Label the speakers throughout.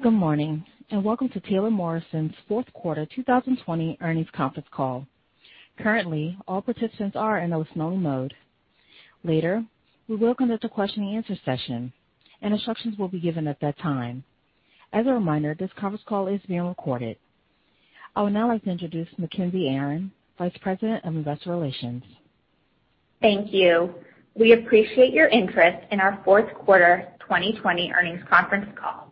Speaker 1: Good morning and welcome to Taylor Morrison's fourth quarter 2020 earnings conference call. Currently, all participants are in a listening mode. Later, we will conduct a question-and-answer session. Instructions will be given at that time. As a reminder, this conference call is being recorded. I would now like to introduce Mackenzie Aron, Vice President of Investor Relations.
Speaker 2: Thank you. We appreciate your interest in our fourth quarter 2020 earnings conference call.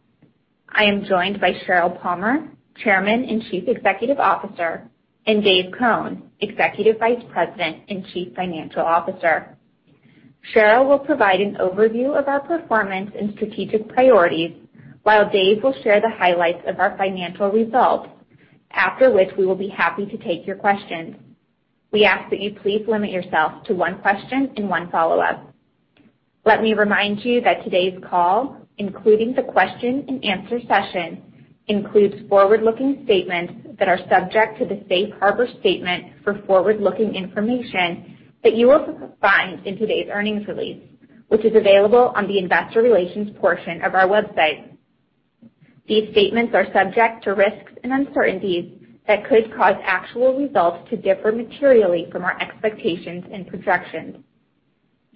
Speaker 2: I am joined by Sheryl Palmer, Chairman and Chief Executive Officer, and Dave Cone, Executive Vice President and Chief Financial Officer. Sheryl will provide an overview of our performance and strategic priorities, while Dave will share the highlights of our financial results, after which we will be happy to take your questions. We ask that you please limit yourself to one question and one follow-up. Let me remind you that today's call, including the question-and-answer session, includes forward-looking statements that are subject to the Safe Harbor Statement for forward-looking information that you will find in today's earnings release, which is available on the Investor Relations portion of our website. These statements are subject to risks and uncertainties that could cause actual results to differ materially from our expectations and projections.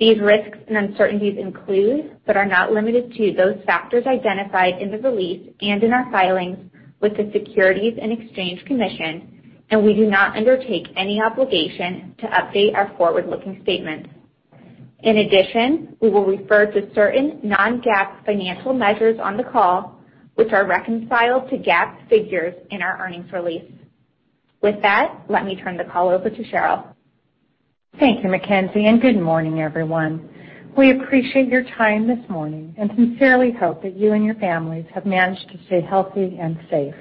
Speaker 2: These risks and uncertainties include, but are not limited to, those factors identified in the release and in our filings with the Securities and Exchange Commission, and we do not undertake any obligation to update our forward-looking statements. In addition, we will refer to certain non-GAAP financial measures on the call, which are reconciled to GAAP figures in our earnings release. With that, let me turn the call over to Sheryl.
Speaker 3: Thank you, Mackenzie, and good morning, everyone. We appreciate your time this morning and sincerely hope that you and your families have managed to stay healthy and safe.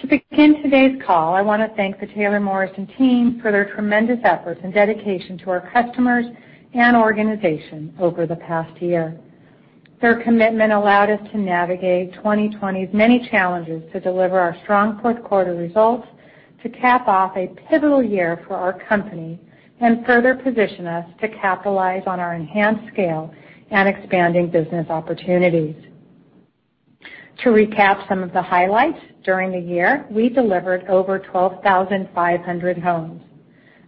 Speaker 3: To begin today's call, I want to thank the Taylor Morrison team for their tremendous efforts and dedication to our customers and organization over the past year. Their commitment allowed us to navigate 2020's many challenges to deliver our strong fourth quarter results, to cap off a pivotal year for our company, and further position us to capitalize on our enhanced scale and expanding business opportunities. To recap some of the highlights: during the year, we delivered over 12,500 homes,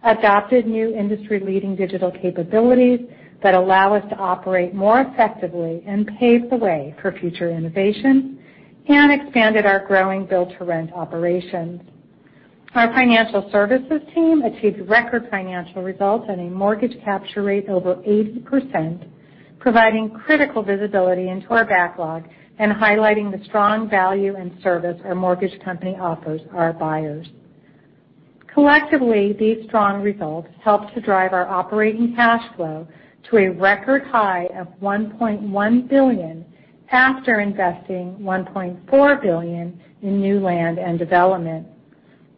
Speaker 3: adopted new industry-leading digital capabilities that allow us to operate more effectively and pave the way for future innovation, and expanded our growing build-to-rent operations. Our financial services team achieved record financial results and a mortgage capture rate over 80%, providing critical visibility into our backlog and highlighting the strong value and service our mortgage company offers our buyers. Collectively, these strong results helped to drive our operating cash flow to a record high of $1.1 billion after investing $1.4 billion in new land and development.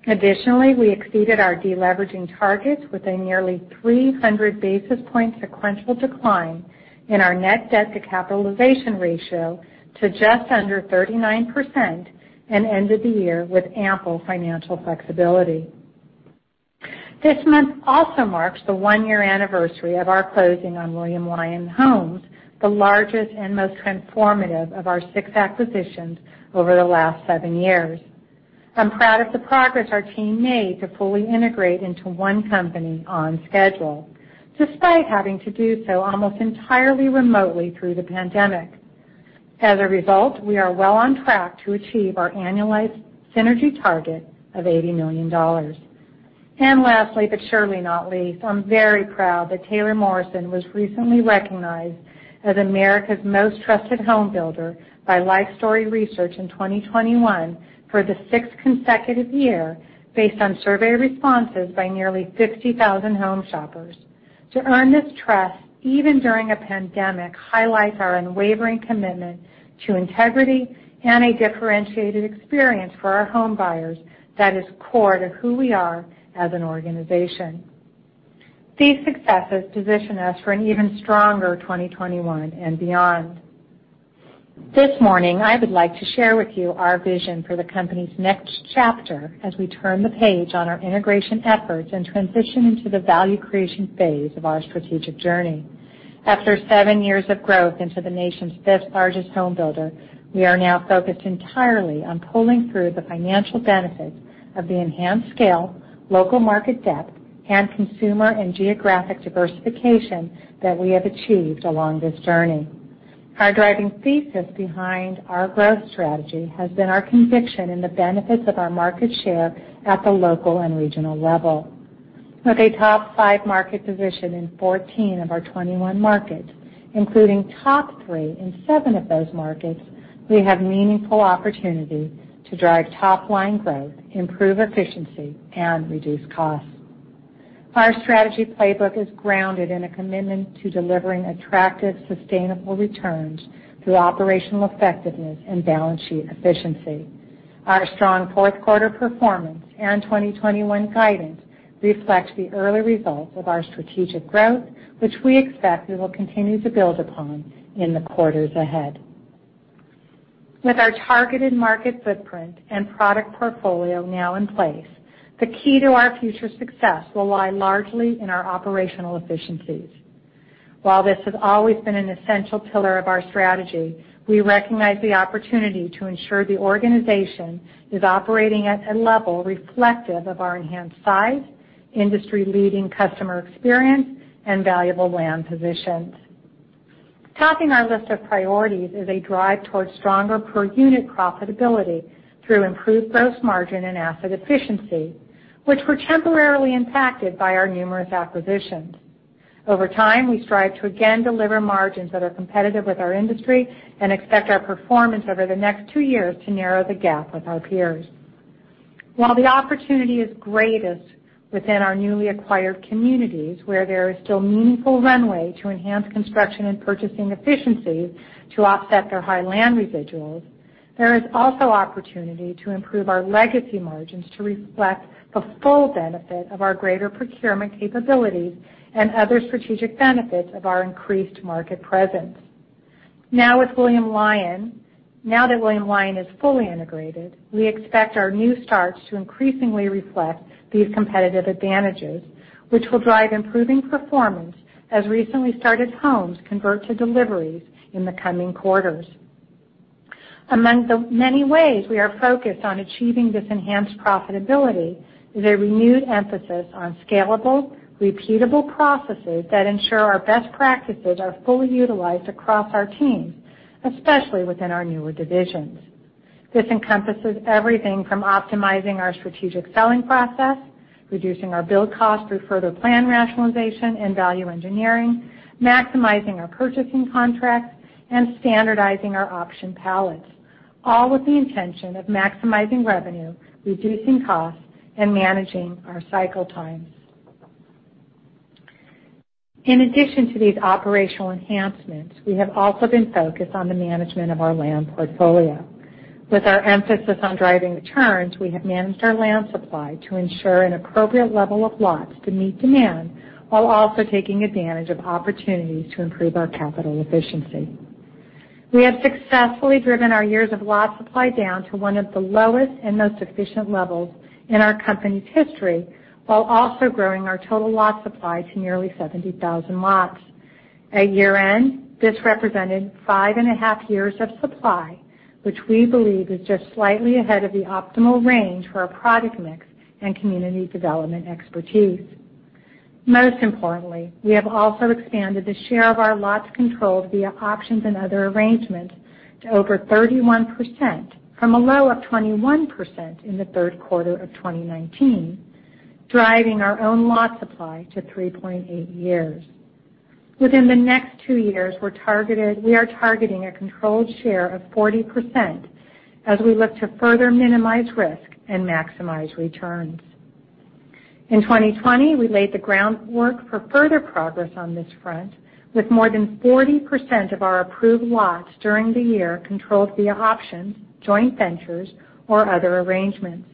Speaker 3: Additionally, we exceeded our deleveraging targets with a nearly 300 basis points sequential decline in our net debt-to-capitalization ratio to just under 39% and ended the year with ample financial flexibility. This month also marks the one-year anniversary of our closing on William Lyon Homes, the largest and most transformative of our six acquisitions over the last seven years. I'm proud of the progress our team made to fully integrate into one company on schedule, despite having to do so almost entirely remotely through the pandemic. As a result, we are well on track to achieve our annualized synergy target of $80 million. And lastly, but surely not least, I'm very proud that Taylor Morrison was recently recognized as America's Most Trusted Home Builder by Lifestory Research in 2021 for the sixth consecutive year, based on survey responses by nearly 50,000 home shoppers. To earn this trust, even during a pandemic, highlights our unwavering commitment to integrity and a differentiated experience for our home buyers that is core to who we are as an organization. These successes position us for an even stronger 2021 and beyond. This morning, I would like to share with you our vision for the company's next chapter as we turn the page on our integration efforts and transition into the value creation phase of our strategic journey. After seven years of growth into the nation's fifth largest home builder, we are now focused entirely on pulling through the financial benefits of the enhanced scale, local market depth, and consumer and geographic diversification that we have achieved along this journey. Our driving thesis behind our growth strategy has been our conviction in the benefits of our market share at the local and regional level. With a top five market position in 14 of our 21 markets, including top three in seven of those markets, we have meaningful opportunity to drive top-line growth, improve efficiency, and reduce costs. Our strategy playbook is grounded in a commitment to delivering attractive, sustainable returns through operational effectiveness and balance sheet efficiency. Our strong fourth quarter performance and 2021 guidance reflect the early results of our strategic growth, which we expect we will continue to build upon in the quarters ahead. With our targeted market footprint and product portfolio now in place, the key to our future success will lie largely in our operational efficiencies. While this has always been an essential pillar of our strategy, we recognize the opportunity to ensure the organization is operating at a level reflective of our enhanced size, industry-leading customer experience, and valuable land positions. Topping our list of priorities is a drive towards stronger per-unit profitability through improved gross margin and asset efficiency, which were temporarily impacted by our numerous acquisitions. Over time, we strive to again deliver margins that are competitive with our industry and expect our performance over the next two years to narrow the gap with our peers. While the opportunity is greatest within our newly acquired communities, where there is still meaningful runway to enhance construction and purchasing efficiencies to offset their high land residuals, there is also opportunity to improve our legacy margins to reflect the full benefit of our greater procurement capabilities and other strategic benefits of our increased market presence. Now that William Lyon Homes is fully integrated, we expect our new starts to increasingly reflect these competitive advantages, which will drive improving performance as recently started homes convert to deliveries in the coming quarters. Among the many ways we are focused on achieving this enhanced profitability is a renewed emphasis on scalable, repeatable processes that ensure our best practices are fully utilized across our teams, especially within our newer divisions. This encompasses everything from optimizing our strategic selling process, reducing our build costs through further plan rationalization and value engineering, maximizing our purchasing contracts, and standardizing our option palettes, all with the intention of maximizing revenue, reducing costs, and managing our cycle times. In addition to these operational enhancements, we have also been focused on the management of our land portfolio. With our emphasis on driving returns, we have managed our land supply to ensure an appropriate level of lots to meet demand while also taking advantage of opportunities to improve our capital efficiency. We have successfully driven our years of lot supply down to one of the lowest and most efficient levels in our company's history, while also growing our total lot supply to nearly 70,000 lots. At year-end, this represented five and a half years of supply, which we believe is just slightly ahead of the optimal range for our product mix and community development expertise. Most importantly, we have also expanded the share of our lots controlled via options and other arrangements to over 31% from a low of 21% in the third quarter of 2019, driving our own lot supply to 3.8 years. Within the next two years, we are targeting a controlled share of 40% as we look to further minimize risk and maximize returns. In 2020, we laid the groundwork for further progress on this front, with more than 40% of our approved lots during the year controlled via options, joint ventures, or other arrangements.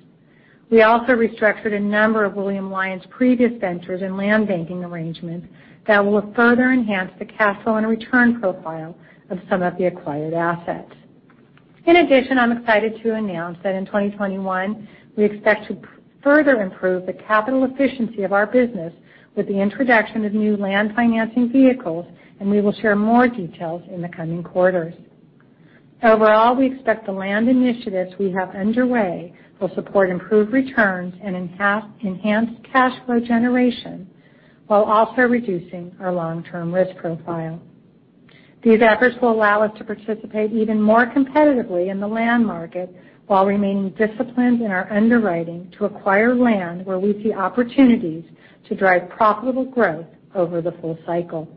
Speaker 3: We also restructured a number of William Lyon Homes previous ventures and land banking arrangements that will further enhance the cash flow and return profile of some of the acquired assets. In addition, I'm excited to announce that in 2021, we expect to further improve the capital efficiency of our business with the introduction of new land financing vehicles, and we will share more details in the coming quarters. Overall, we expect the land initiatives we have underway will support improved returns and enhanced cash flow generation, while also reducing our long-term risk profile. These efforts will allow us to participate even more competitively in the land market while remaining disciplined in our underwriting to acquire land where we see opportunities to drive profitable growth over the full cycle.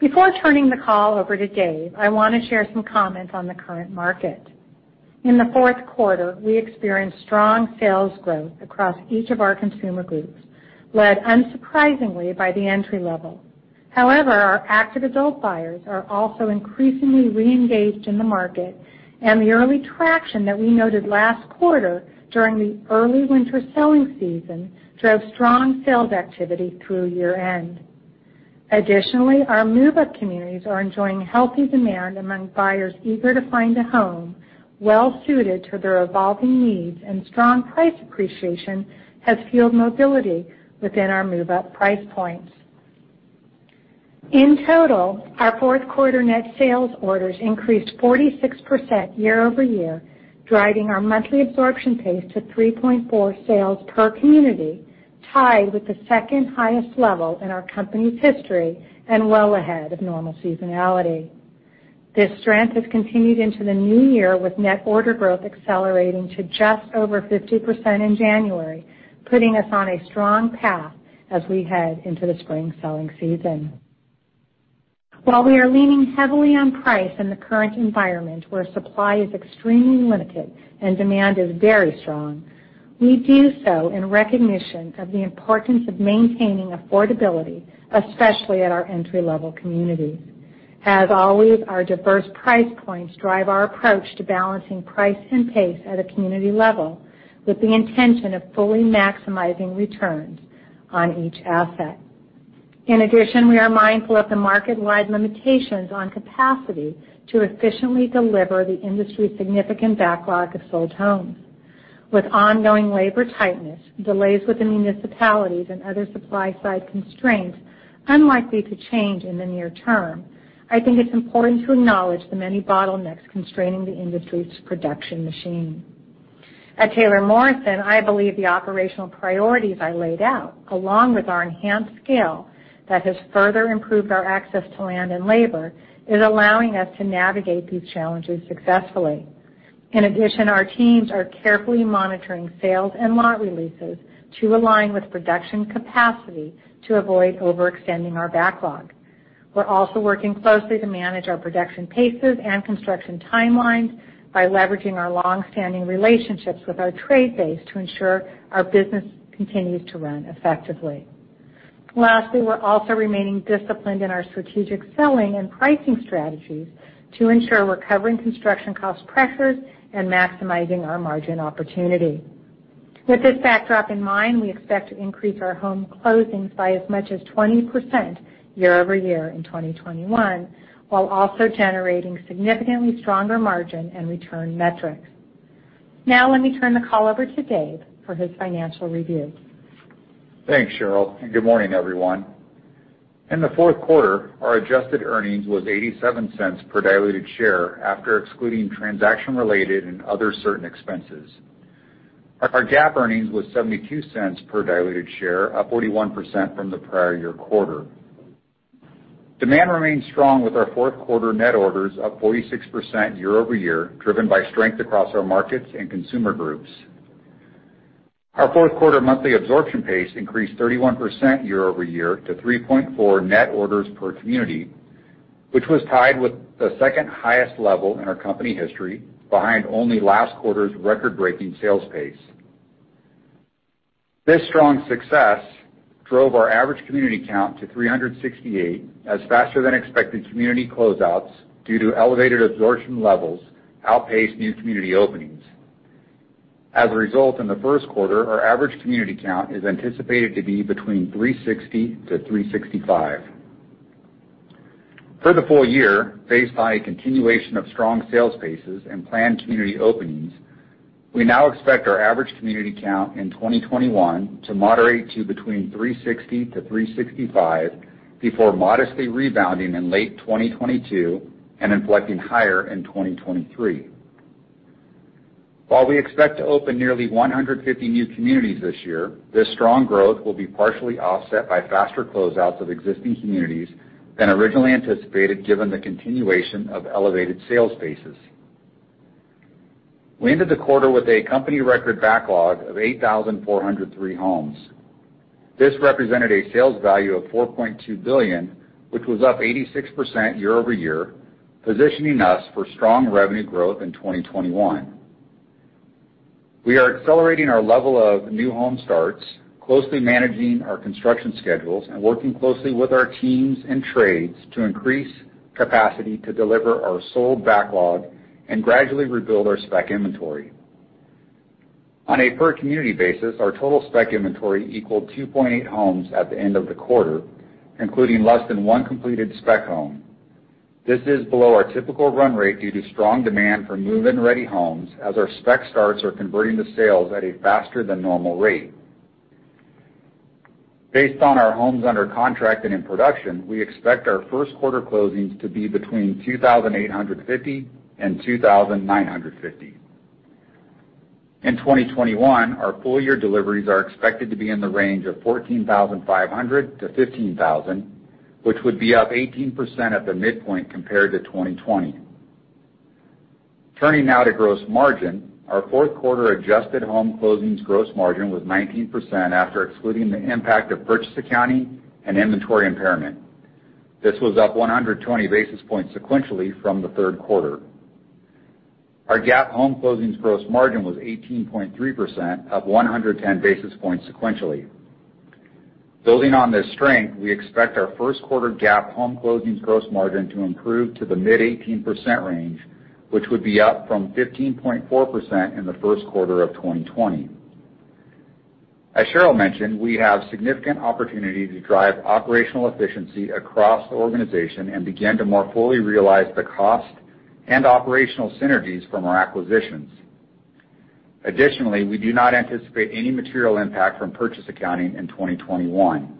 Speaker 3: Before turning the call over to Dave, I want to share some comments on the current market. In the fourth quarter, we experienced strong sales growth across each of our consumer groups, led unsurprisingly by the entry-level. However, our active adult buyers are also increasingly re-engaged in the market, and the early traction that we noted last quarter during the early winter selling season drove strong sales activity through year-end. Additionally, our move-up communities are enjoying healthy demand among buyers eager to find a home well-suited to their evolving needs, and strong price appreciation has fueled mobility within our move-up price points. In total, our fourth quarter net sales orders increased 46% year over year, driving our monthly absorption pace to 3.4 sales per community, tied with the second highest level in our company's history and well ahead of normal seasonality. This strength has continued into the new year, with net order growth accelerating to just over 50% in January, putting us on a strong path as we head into the spring selling season. While we are leaning heavily on price in the current environment where supply is extremely limited and demand is very strong, we do so in recognition of the importance of maintaining affordability, especially at our entry-level communities. As always, our diverse price points drive our approach to balancing price and pace at a community level with the intention of fully maximizing returns on each asset. In addition, we are mindful of the market-wide limitations on capacity to efficiently deliver the industry's significant backlog of sold homes. With ongoing labor tightness, delays with the municipalities, and other supply-side constraints unlikely to change in the near term, I think it's important to acknowledge the many bottlenecks constraining the industry's production machine. At Taylor Morrison, I believe the operational priorities I laid out, along with our enhanced scale that has further improved our access to land and labor, are allowing us to navigate these challenges successfully. In addition, our teams are carefully monitoring sales and lot releases to align with production capacity to avoid overextending our backlog. We're also working closely to manage our production paces and construction timelines by leveraging our long-standing relationships with our trade base to ensure our business continues to run effectively. Lastly, we're also remaining disciplined in our strategic selling and pricing strategies to ensure we're covering construction cost pressures and maximizing our margin opportunity. With this backdrop in mind, we expect to increase our home closings by as much as 20% year over year in 2021, while also generating significantly stronger margin and return metrics. Now, let me turn the call over to Dave for his financial review.
Speaker 4: Thanks, Sheryl. Good morning, everyone. In the fourth quarter, our adjusted earnings was $0.87 per diluted share after excluding transaction-related and other certain expenses. Our GAAP earnings was $0.72 per diluted share, up 41% from the prior year quarter. Demand remained strong with our fourth quarter net orders up 46% year over year, driven by strength across our markets and consumer groups. Our fourth quarter monthly absorption pace increased 31% year over year to 3.4 net orders per community, which was tied with the second highest level in our company history, behind only last quarter's record-breaking sales pace. This strong success drove our average community count to 368, as faster-than-expected community closeouts due to elevated absorption levels outpaced new community openings. As a result, in the first quarter, our average community count is anticipated to be between 360 to 365. For the full year, faced by a continuation of strong sales paces and planned community openings, we now expect our average community count in 2021 to moderate to between 360 to 365 before modestly rebounding in late 2022 and inflecting higher in 2023. While we expect to open nearly 150 new communities this year, this strong growth will be partially offset by faster closeouts of existing communities than originally anticipated, given the continuation of elevated sales paces. We ended the quarter with a company record backlog of 8,403 homes. This represented a sales value of $4.2 billion, which was up 86% year over year, positioning us for strong revenue growth in 2021. We are accelerating our level of new home starts, closely managing our construction schedules, and working closely with our teams and trades to increase capacity to deliver our sold backlog and gradually rebuild our spec inventory. On a per-community basis, our total spec inventory equaled 2.8 homes at the end of the quarter, including less than one completed spec home. This is below our typical run rate due to strong demand for move-in ready homes, as our spec starts are converting to sales at a faster-than-normal rate. Based on our homes under contract and in production, we expect our first quarter closings to be between 2,850 and 2,950. In 2021, our full-year deliveries are expected to be in the range of 14,500-15,000, which would be up 18% at the midpoint compared to 2020. Turning now to gross margin, our fourth quarter adjusted home closings gross margin was 19% after excluding the impact of purchase accounting and inventory impairment. This was up 120 basis points sequentially from the third quarter. Our GAAP home closings gross margin was 18.3%, up 110 basis points sequentially. Building on this strength, we expect our first quarter GAAP home closings gross margin to improve to the mid-18% range, which would be up from 15.4% in the first quarter of 2020. As Sheryl mentioned, we have significant opportunity to drive operational efficiency across the organization and begin to more fully realize the cost and operational synergies from our acquisitions. Additionally, we do not anticipate any material impact from purchase accounting in 2021.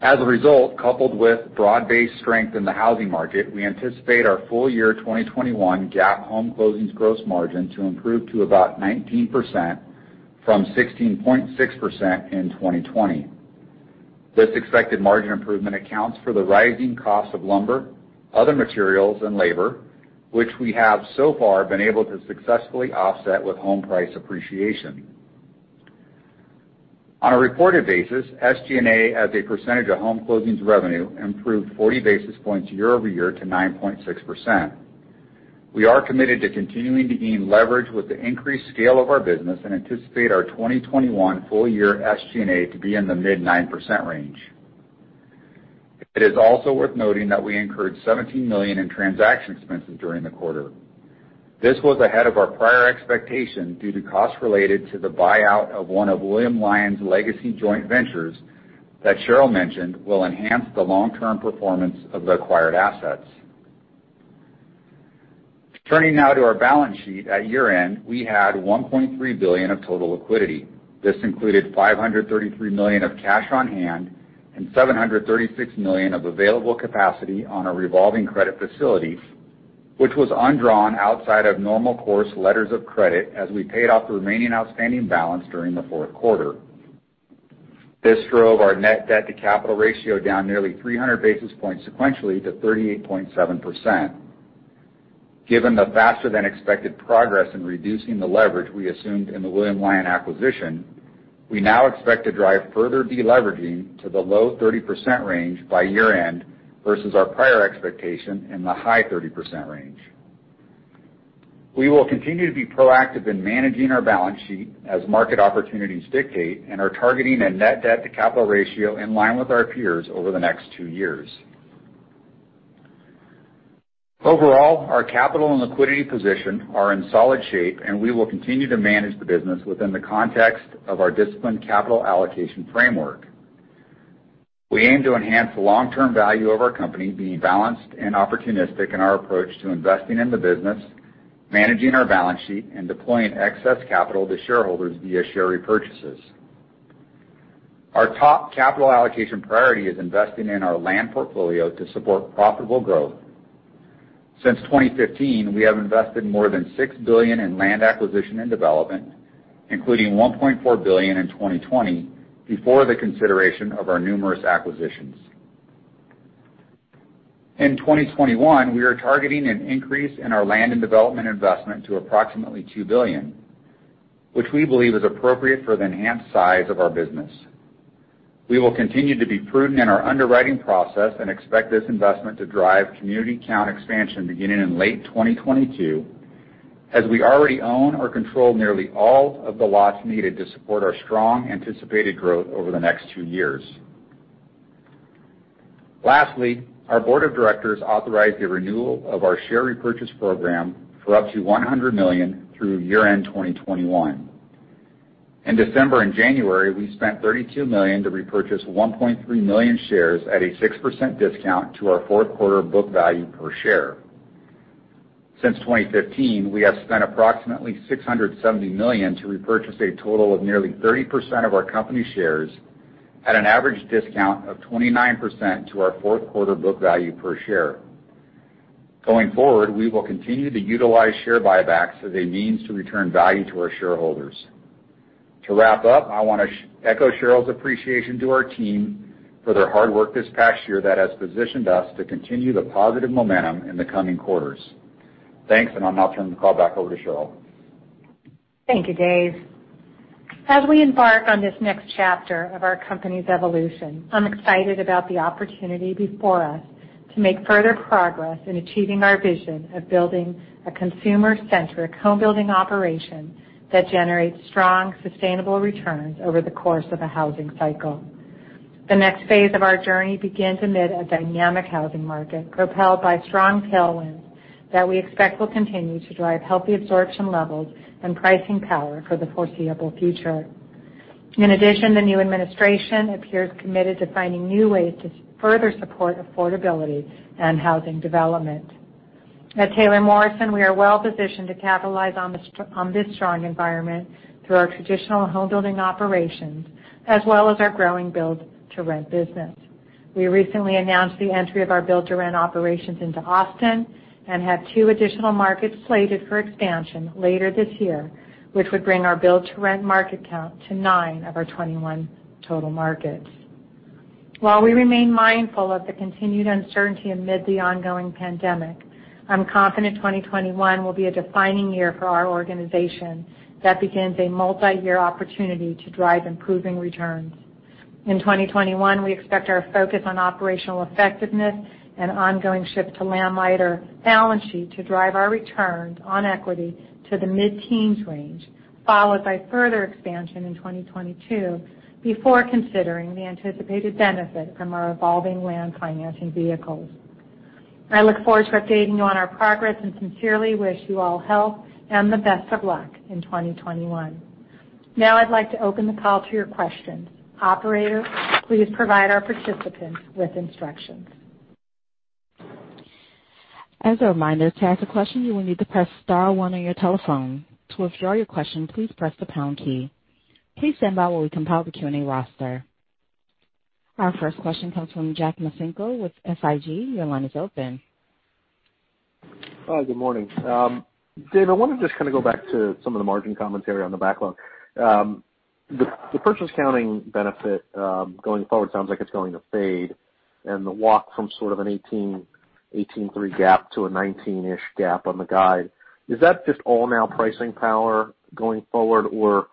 Speaker 4: As a result, coupled with broad-based strength in the housing market, we anticipate our full-year 2021 GAAP home closings gross margin to improve to about 19% from 16.6% in 2020. This expected margin improvement accounts for the rising cost of lumber, other materials, and labor, which we have so far been able to successfully offset with home price appreciation. On a reported basis, SG&A as a percentage of home closings revenue improved 40 basis points year over year to 9.6%. We are committed to continuing to gain leverage with the increased scale of our business and anticipate our 2021 full-year SG&A to be in the mid-9% range. It is also worth noting that we incurred $17 million in transaction expenses during the quarter. This was ahead of our prior expectation due to costs related to the buyout of one of William Lyon Homes' legacy joint ventures that Sheryl mentioned will enhance the long-term performance of the acquired assets. Turning now to our balance sheet at year-end, we had $1.3 billion of total liquidity. This included $533 million of cash on hand and $736 million of available capacity on our revolving credit facilities, which was undrawn outside of normal course letters of credit as we paid off the remaining outstanding balance during the fourth quarter. This drove our net debt-to-capital ratio down nearly 300 basis points sequentially to 38.7%. Given the faster-than-expected progress in reducing the leverage we assumed in the William Lyon Homes acquisition, we now expect to drive further deleveraging to the low 30% range by year-end versus our prior expectation in the high 30% range. We will continue to be proactive in managing our balance sheet as market opportunities dictate and are targeting a net debt-to-capitalization ratio in line with our peers over the next two years. Overall, our capital and liquidity position are in solid shape, and we will continue to manage the business within the context of our disciplined capital allocation framework. We aim to enhance the long-term value of our company by being balanced and opportunistic in our approach to investing in the business, managing our balance sheet, and deploying excess capital to shareholders via share repurchases. Our top capital allocation priority is investing in our land portfolio to support profitable growth. Since 2015, we have invested more than $6 billion in land acquisition and development, including $1.4 billion in 2020 before the consideration of our numerous acquisitions. In 2021, we are targeting an increase in our land and development investment to approximately $2 billion, which we believe is appropriate for the enhanced size of our business. We will continue to be prudent in our underwriting process and expect this investment to drive community count expansion beginning in late 2022, as we already own or control nearly all of the lots needed to support our strong anticipated growth over the next two years. Lastly, our board of directors authorized the renewal of our share repurchase program for up to $100 million through year-end 2021. In December and January, we spent $32 million to repurchase 1.3 million shares at a 6% discount to our fourth quarter book value per share. Since 2015, we have spent approximately $670 million to repurchase a total of nearly 30% of our company shares at an average discount of 29% to our fourth quarter book value per share. Going forward, we will continue to utilize share buybacks as a means to return value to our shareholders. To wrap up, I want to echo Sheryl's appreciation to our team for their hard work this past year that has positioned us to continue the positive momentum in the coming quarters. Thanks, and I'll now turn the call back over to Sheryl.
Speaker 3: Thank you, Dave. As we embark on this next chapter of our company's evolution, I'm excited about the opportunity before us to make further progress in achieving our vision of building a consumer-centric home-building operation that generates strong, sustainable returns over the course of a housing cycle. The next phase of our journey begins amid a dynamic housing market propelled by strong tailwinds that we expect will continue to drive healthy absorption levels and pricing power for the foreseeable future. In addition, the new administration appears committed to finding new ways to further support affordability and housing development. At Taylor Morrison, we are well positioned to capitalize on this strong environment through our traditional home-building operations as well as our growing build-to-rent business. We recently announced the entry of our build-to-rent operations into Austin and have two additional markets slated for expansion later this year, which would bring our build-to-rent market count to nine of our 21 total markets. While we remain mindful of the continued uncertainty amid the ongoing pandemic, I'm confident 2021 will be a defining year for our organization that begins a multi-year opportunity to drive improving returns. In 2021, we expect our focus on operational effectiveness and ongoing shift to land lighter balance sheet to drive our returns on equity to the mid-teens range, followed by further expansion in 2022 before considering the anticipated benefit from our evolving land financing vehicles. I look forward to updating you on our progress and sincerely wish you all health and the best of luck in 2021. Now, I'd like to open the call to your questions. Operator, please provide our participants with instructions.
Speaker 1: As a reminder, to ask a question, you will need to press star one on your telephone. To withdraw your question, please press the pound key. Please stand by while we compile the Q&A roster. Our first question comes from Jack Micenko with SIG. Your line is open. Hi, good morning.
Speaker 5: Dave, I want to just kind of go back to some of the margin commentary on the backlog. The purchase accounting benefit going forward sounds like it's going to fade, and the walk from sort of an 18-18-3 gap to a 19-ish gap on the guide. Is that just all now pricing power going forward, or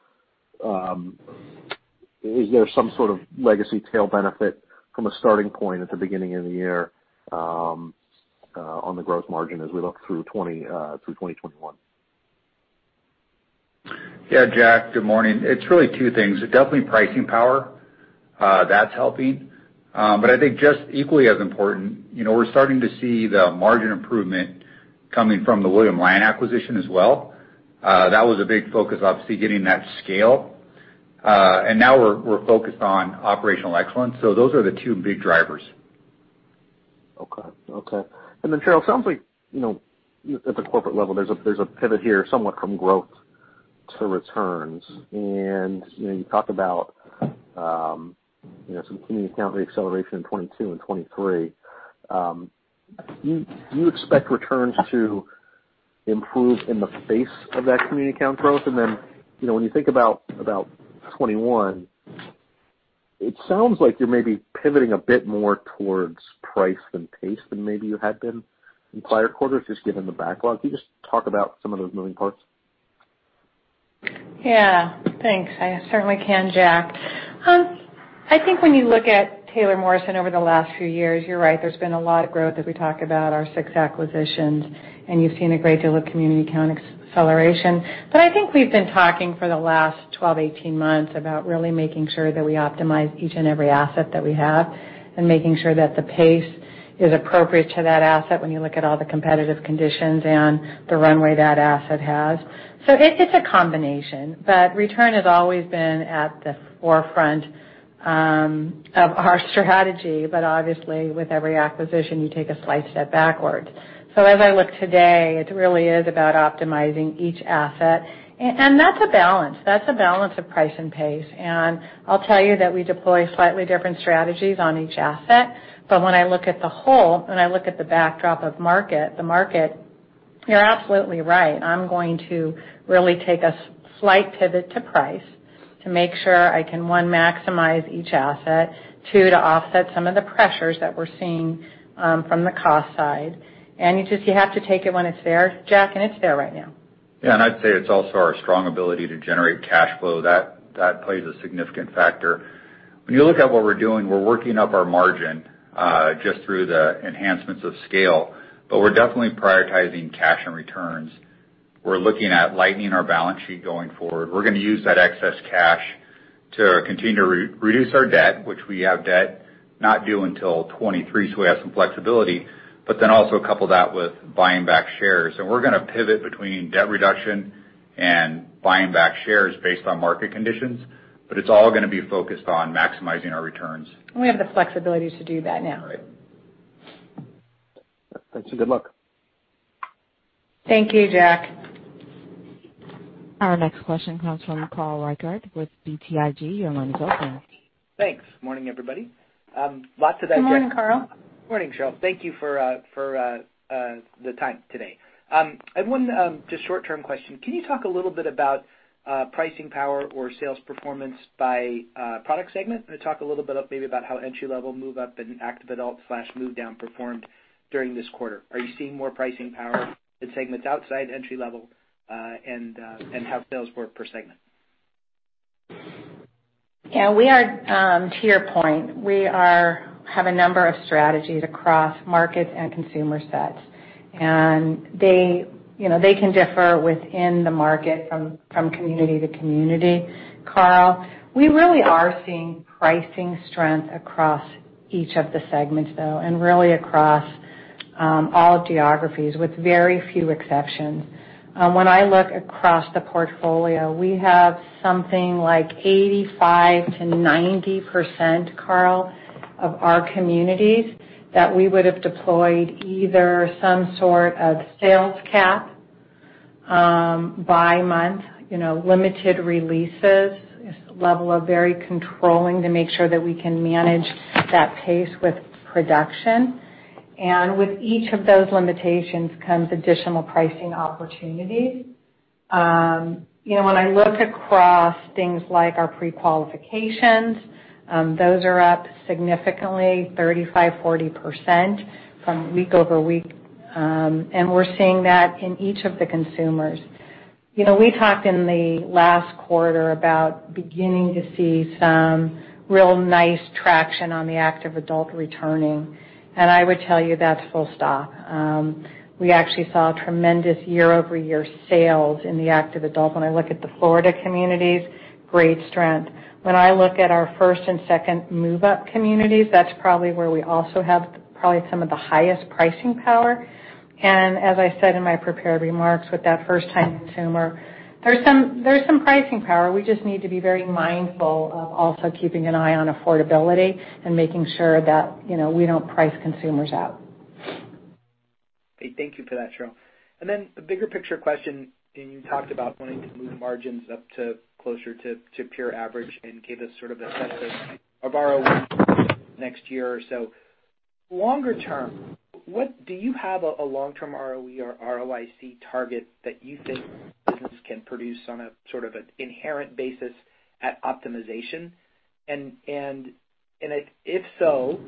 Speaker 5: is there some sort of legacy tail benefit from a starting point at the beginning of the year on the gross margin as we look through 2021?
Speaker 4: Yeah, Jack, good morning. It's really two things. It's definitely pricing power that's helping. But I think just equally as important, we're starting to see the margin improvement coming from the William Lyon acquisition as well. That was a big focus, obviously, getting that scale. And now we're focused on operational excellence. So those are the two big drivers.
Speaker 5: Okay. Okay. Then, Sheryl, it sounds like at the corporate level, there's a pivot here somewhat from growth to returns. You talked about some community count reacceleration in 2022 and 2023. Do you expect returns to improve in the face of that community count growth? When you think about 2021, it sounds like you're maybe pivoting a bit more towards price than pace than maybe you had been in prior quarters, just given the backlog. Can you just talk about some of those moving parts?
Speaker 3: Yeah. Thanks. I certainly can, Jack. I think when you look at Taylor Morrison over the last few years, you're right, there's been a lot of growth as we talk about our six acquisitions, and you've seen a great deal of community count acceleration. But I think we've been talking for the last 12, 18 months about really making sure that we optimize each and every asset that we have and making sure that the pace is appropriate to that asset when you look at all the competitive conditions and the runway that asset has. So it's a combination. But return has always been at the forefront of our strategy, but obviously, with every acquisition, you take a slight step backwards. So as I look today, it really is about optimizing each asset. And that's a balance. That's a balance of price and pace. And I'll tell you that we deploy slightly different strategies on each asset. But when I look at the whole and I look at the backdrop of market, the market, you're absolutely right. I'm going to really take a slight pivot to price to make sure I can, one, maximize each asset, two, to offset some of the pressures that we're seeing from the cost side. And you just have to take it when it's there. Jack, and it's there right now.
Speaker 5: Yeah. And I'd say it's also our strong ability to generate cash flow. That plays a significant factor. When you look at what we're doing, we're working up our margin just through the enhancements of scale. But we're definitely prioritizing cash and returns. We're looking at lightening our balance sheet going forward. We're going to use that excess cash to continue to reduce our debt, which we have debt not due until 2023, so we have some flexibility. But then also couple that with buying back shares. And we're going to pivot between debt reduction and buying back shares based on market conditions. But it's all going to be focused on maximizing our returns.
Speaker 3: And we have the flexibility to do that now.
Speaker 4: Right.
Speaker 5: Thanks. And good luck.
Speaker 3: Thank you, Jack.
Speaker 1: Our next question comes from Carl Reichardt with BTIG. Your line is open.
Speaker 6: Thanks. Morning, everybody. Lots of thanks, Jack.
Speaker 3: Good morning, Carl.
Speaker 6: Morning, Sheryl. Thank you for the time today. I have one just short-term question. Can you talk a little bit about pricing power or sales performance by product segment? And talk a little bit maybe about how entry-level move-up and active adult/move-down performed during this quarter. Are you seeing more pricing power in segments outside entry-level and how sales work per segment?
Speaker 3: Yeah. To your point, we have a number of strategies across markets and consumer sets. And they can differ within the market from community to community. Carl, we really are seeing pricing strength across each of the segments, though, and really across all geographies with very few exceptions. When I look across the portfolio, we have something like 85%-90%, Carl, of our communities that we would have deployed either some sort of sales cap by month, limited releases, level of very controlling to make sure that we can manage that pace with production. And with each of those limitations comes additional pricing opportunities. When I look across things like our pre-qualifications, those are up significantly, 35%-40% from week over week. And we're seeing that in each of the consumers. We talked in the last quarter about beginning to see some real nice traction on the active adult returning. And I would tell you that's full stop. We actually saw tremendous year-over-year sales in the active adult. When I look at the Florida communities, great strength. When I look at our first and second move-up communities, that's probably where we also have probably some of the highest pricing power. And as I said in my prepared remarks with that first-time consumer, there's some pricing power. We just need to be very mindful of also keeping an eye on affordability and making sure that we don't price consumers out.
Speaker 6: Thank you for that, Sheryl. And then the bigger picture question, and you talked about wanting to move margins up to closer to pure average and gave us sort of a sense of our ROE next year or so. Longer term, do you have a long-term ROE or ROIC target that you think business can produce on a sort of an inherent basis at optimization? And if so,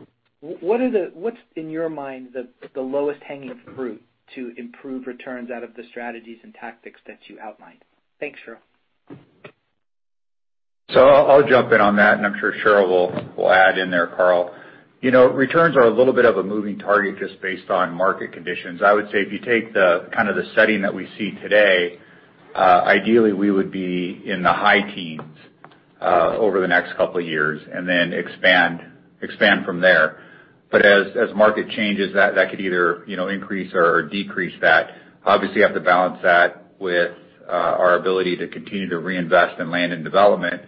Speaker 6: what's in your mind the low-hanging fruit to improve returns out of the strategies and tactics that you outlined? Thanks, Sheryl.
Speaker 4: So I'll jump in on that, and I'm sure Sheryl will add in there, Carl. Returns are a little bit of a moving target just based on market conditions. I would say if you take kind of the setting that we see today, ideally, we would be in the high teens over the next couple of years and then expand from there. But as market changes, that could either increase or decrease that. Obviously, you have to balance that with our ability to continue to reinvest in land and development.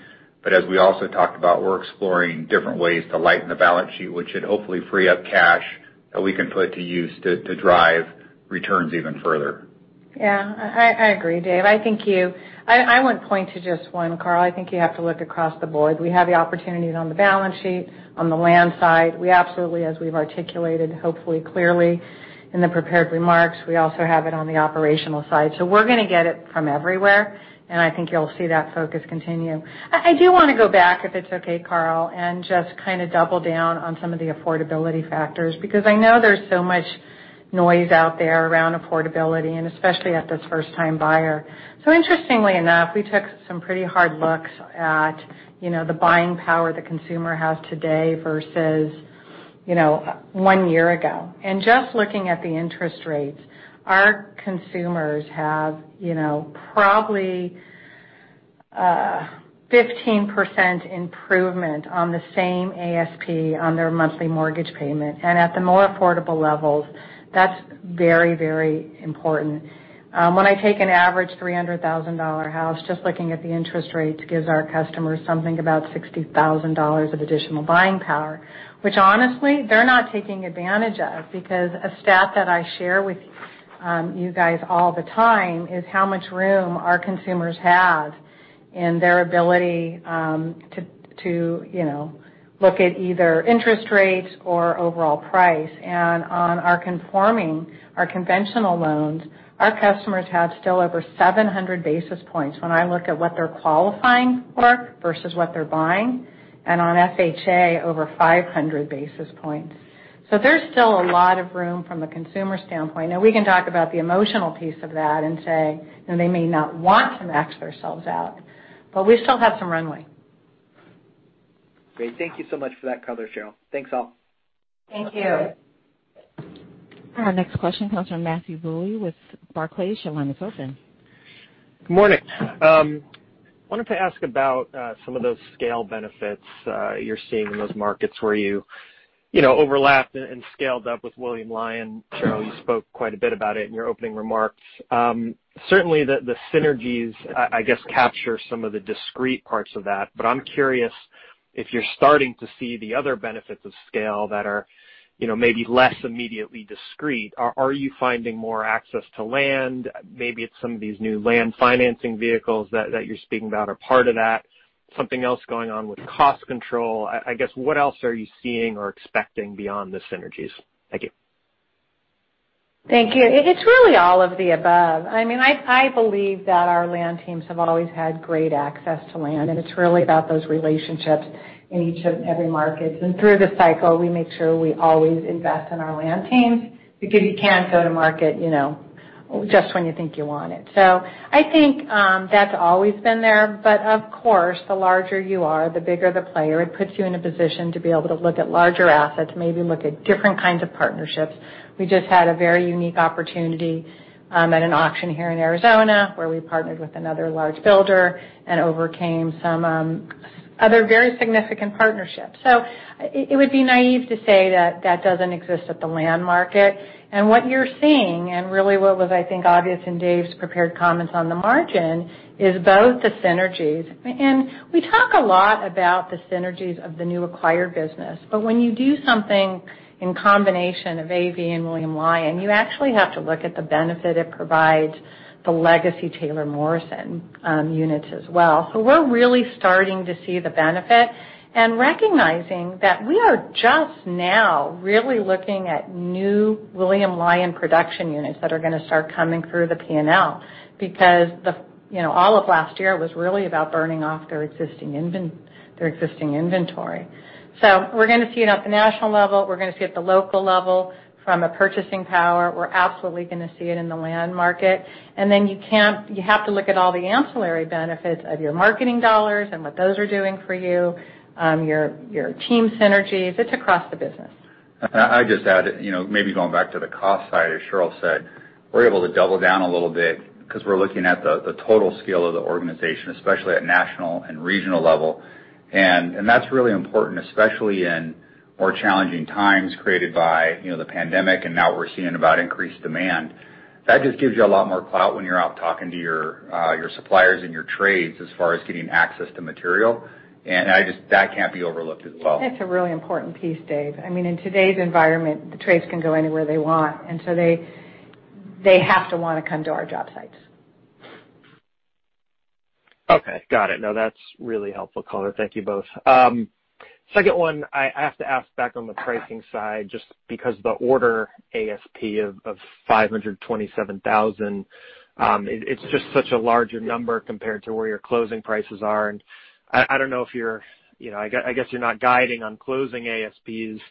Speaker 4: But as we also talked about, we're exploring different ways to lighten the balance sheet, which should hopefully free up cash that we can put to use to drive returns even further.
Speaker 3: Yeah. I agree, Dave. I think you—I would point to just one, Carl. I think you have to look across the board. We have the opportunities on the balance sheet, on the land side. We absolutely, as we've articulated, hopefully clearly in the prepared remarks, we also have it on the operational side. So we're going to get it from everywhere, and I think you'll see that focus continue. I do want to go back, if it's okay, Carl, and just kind of double down on some of the affordability factors because I know there's so much noise out there around affordability, and especially at this first-time buyer, so interestingly enough, we took some pretty hard looks at the buying power the consumer has today versus one year ago, and just looking at the interest rates, our consumers have probably 15% improvement on the same ASP on their monthly mortgage payment. And at the more affordable levels, that's very, very important. When I take an average $300,000 house, just looking at the interest rates gives our customers something about $60,000 of additional buying power, which honestly, they're not taking advantage of because a stat that I share with you guys all the time is how much room our consumers have in their ability to look at either interest rates or overall price. And on our conforming, our conventional loans, our customers have still over 700 basis points when I look at what they're qualifying for versus what they're buying. And on FHA, over 500 basis points. So there's still a lot of room from the consumer standpoint. Now, we can talk about the emotional piece of that and say they may not want to max themselves out, but we still have some runway.
Speaker 6: Great. Thank you so much for that color, Sheryl. Thanks, all.
Speaker 3: Thank you.
Speaker 1: Our next question comes from Matthew Bouley with Barclays. Your line is open.
Speaker 7: Good morning. I wanted to ask about some of those scale benefits you're seeing in those markets where you overlapped and scaled up with William Lyon Homes. Sheryl, you spoke quite a bit about it in your opening remarks. Certainly, the synergies, I guess, capture some of the discrete parts of that. But I'm curious if you're starting to see the other benefits of scale that are maybe less immediately discrete. Are you finding more access to land? Maybe it's some of these new land financing vehicles that you're speaking about are part of that. Something else going on with cost control. I guess, what else are you seeing or expecting beyond the synergies? Thank you.
Speaker 3: Thank you. It's really all of the above. I mean, I believe that our land teams have always had great access to land, and it's really about those relationships in each and every market, and through the cycle, we make sure we always invest in our land teams because you can't go to market just when you think you want it, so I think that's always been there, but of course, the larger you are, the bigger the player. It puts you in a position to be able to look at larger assets, maybe look at different kinds of partnerships. We just had a very unique opportunity at an auction here in Arizona where we partnered with another large builder and overcame some other very significant partnerships, so it would be naive to say that that doesn't exist at the land market. What you're seeing, and really what was, I think, obvious in Dave's prepared comments on the margin, is both the synergies. We talk a lot about the synergies of the new acquired business. When you do something in combination of AV and William Lyon Homes, you actually have to look at the benefit it provides the legacy Taylor Morrison units as well. We're really starting to see the benefit and recognizing that we are just now really looking at new William Lyon Homes production units that are going to start coming through the P&L because all of last year was really about burning off their existing inventory. We're going to see it at the national level. We're going to see it at the local level from a purchasing power. We're absolutely going to see it in the land market. And then you have to look at all the ancillary benefits of your marketing dollars and what those are doing for you, your team synergies. It's across the business.
Speaker 4: I just added, maybe going back to the cost side, as Sheryl said, we're able to double down a little bit because we're looking at the total scale of the organization, especially at national and regional level. That's really important, especially in more challenging times created by the pandemic and now we're seeing about increased demand. That just gives you a lot more clout when you're out talking to your suppliers and your trades as far as getting access to material. That can't be overlooked as well.
Speaker 3: That's a really important piece, Dave. I mean, in today's environment, the trades can go anywhere they want. So they have to want to come to our job sites.
Speaker 7: Okay. Got it. No, that's really helpful, Sheryl. Thank you both. Second one, I have to ask back on the pricing side just because the order ASP of $527,000, it's just such a larger number compared to where your closing prices are. And I don't know if you're, I guess you're not guiding on closing ASPs,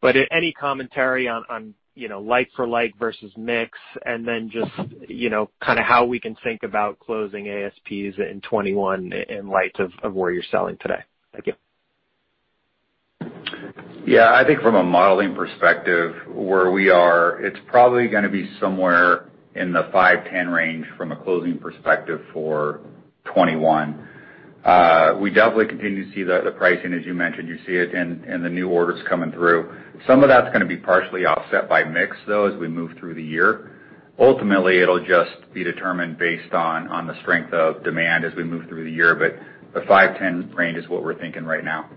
Speaker 7: but any commentary on like-for-like versus mix and then just kind of how we can think about closing ASPs in 2021 in light of where you're selling today? Thank you.
Speaker 4: Yeah. I think from a modeling perspective, where we are, it's probably going to be somewhere in the $500,000-$510,000 range from a closing perspective for 2021. We definitely continue to see the pricing, as you mentioned. You see it in the new orders coming through. Some of that's going to be partially offset by mix, though, as we move through the year. Ultimately, it'll just be determined based on the strength of demand as we move through the year. But the 5-10 range is what we're thinking right now.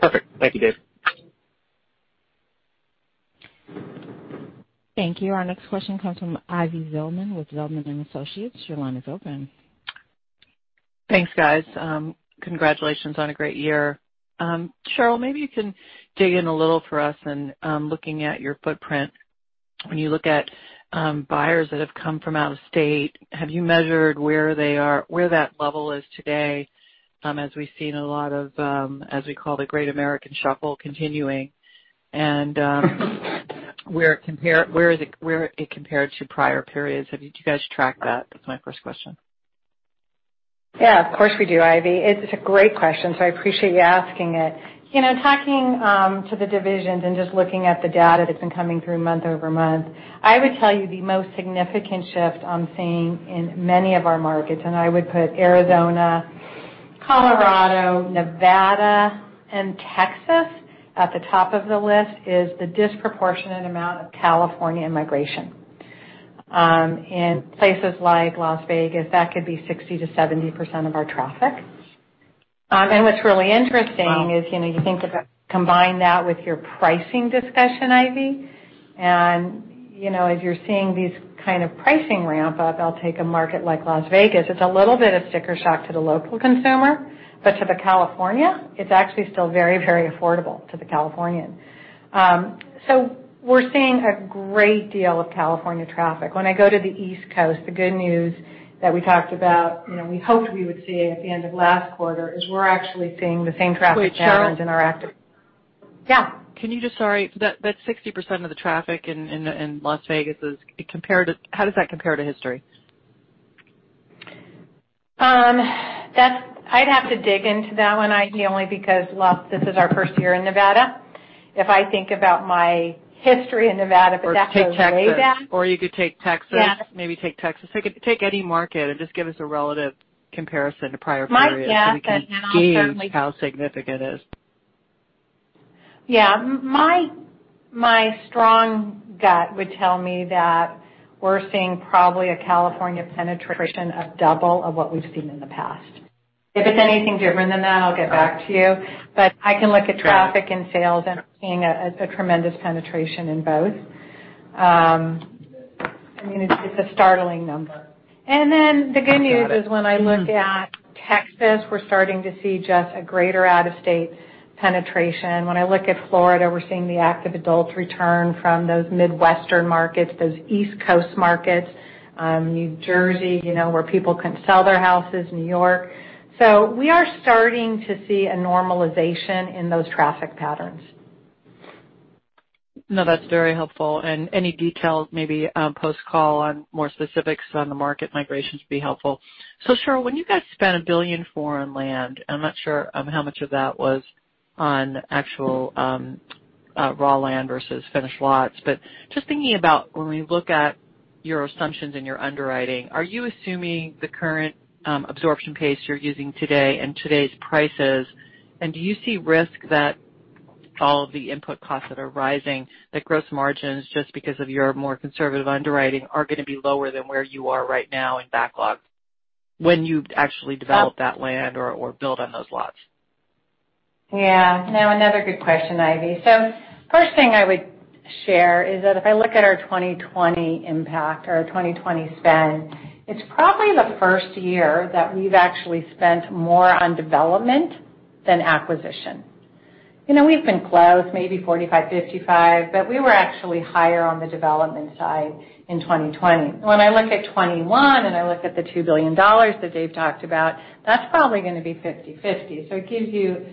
Speaker 7: Perfect. Thank you, Dave.
Speaker 1: Thank you. Our next question comes from Ivy Zelman with Zelman & Associates. Your line is open.
Speaker 8: Thanks, guys. Congratulations on a great year. Sheryl, maybe you can dig in a little for us in looking at your footprint. When you look at buyers that have come from out of state, have you measured where that level is today as we've seen a lot of, as we call, the great American shuffle continuing? And where it compared to prior periods? Have you guys tracked that? That's my first question.
Speaker 3: Yeah, of course we do, Ivy. It's a great question, so I appreciate you asking it. Talking to the divisions and just looking at the data that's been coming through month over month, I would tell you the most significant shift I'm seeing in many of our markets, and I would put Arizona, Colorado, Nevada, and Texas at the top of the list, is the disproportionate amount of California immigration. In places like Las Vegas, that could be 60%-70% of our traffic. And what's really interesting is you think about combine that with your pricing discussion, Ivy. And as you're seeing these kind of pricing ramp up, I'll take a market like Las Vegas. It's a little bit of sticker shock to the local consumer, but to the California, it's actually still very, very affordable to the Californian. So we're seeing a great deal of California traffic. When I go to the East Coast, the good news that we talked about, we hoped we would see at the end of last quarter, is we're actually seeing the same traffic challenge in our active. Yeah.
Speaker 8: Can you just, sorry. That 60% of the traffic in Las Vegas, how does that compare to history?
Speaker 3: I'd have to dig into that one, Ivy, only because this is our first year in Nevada. If I think about my history in Nevada, but that goes way back.
Speaker 8: Or you could take Texas. Maybe take Texas. Take any market and just give us a relative comparison to prior periods so we can gauge how significant it is.
Speaker 3: Yeah. My strong gut would tell me that we're seeing probably a California penetration of double of what we've seen in the past. If it's anything different than that, I'll get back to you. But I can look at traffic and sales and seeing a tremendous penetration in both. I mean, it's a startling number. And then the good news is when I look at Texas, we're starting to see just a greater out-of-state penetration. When I look at Florida, we're seeing the active adults return from those Midwestern markets, those East Coast markets, New Jersey, where people can sell their houses, New York. So we are starting to see a normalization in those traffic patterns.
Speaker 8: No, that's very helpful. And any details, maybe post-call on more specifics on the market migrations would be helpful. So Sheryl, when you guys spent $1 billion for land, I'm not sure how much of that was on actual raw land versus finished lots. But just thinking about when we look at your assumptions and your underwriting, are you assuming the current absorption pace you're using today and today's prices? And do you see risk that all of the input costs that are rising, that gross margins just because of your more conservative underwriting are going to be lower than where you are right now and backlogged when you actually develop that land or build on those lots?
Speaker 3: Yeah. Now, another good question, Ivy. So first thing I would share is that if I look at our 2020 impact or our 2020 spend, it's probably the first year that we've actually spent more on development than acquisition. We've been close, maybe 45-55, but we were actually higher on the development side in 2020. When I look at 2021 and I look at the $2 billion that Dave talked about, that's probably going to be 50/50. So it gives you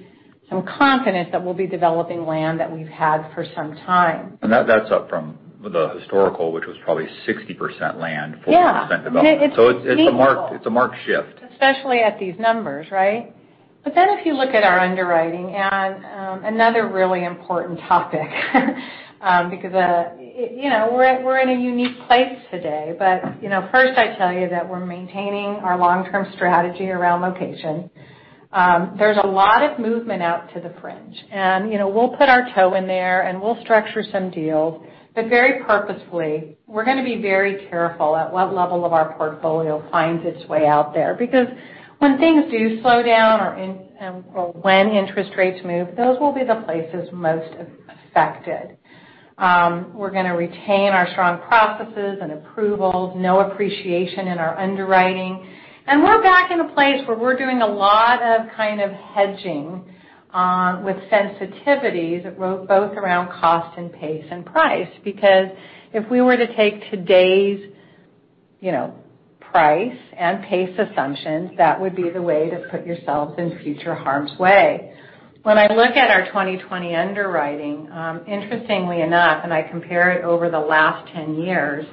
Speaker 3: some confidence that we'll be developing land that we've had for some time.
Speaker 4: And that's up from the historical, which was probably 60% land, 40% development. So it's a marked shift.
Speaker 3: Especially at these numbers, right? But then if you look at our underwriting and another really important topic because we're in a unique place today. But first, I tell you that we're maintaining our long-term strategy around location. There's a lot of movement out to the fringe. And we'll put our toe in there, and we'll structure some deals. But very purposefully, we're going to be very careful at what level of our portfolio finds its way out there because when things do slow down or when interest rates move, those will be the places most affected. We're going to retain our strong processes and approvals, no appreciation in our underwriting. And we're back in a place where we're doing a lot of kind of hedging with sensitivities both around cost and pace and price because if we were to take today's price and pace assumptions, that would be the way to put yourselves in future harm's way. When I look at our 2020 underwriting, interestingly enough, and I compare it over the last 10 years,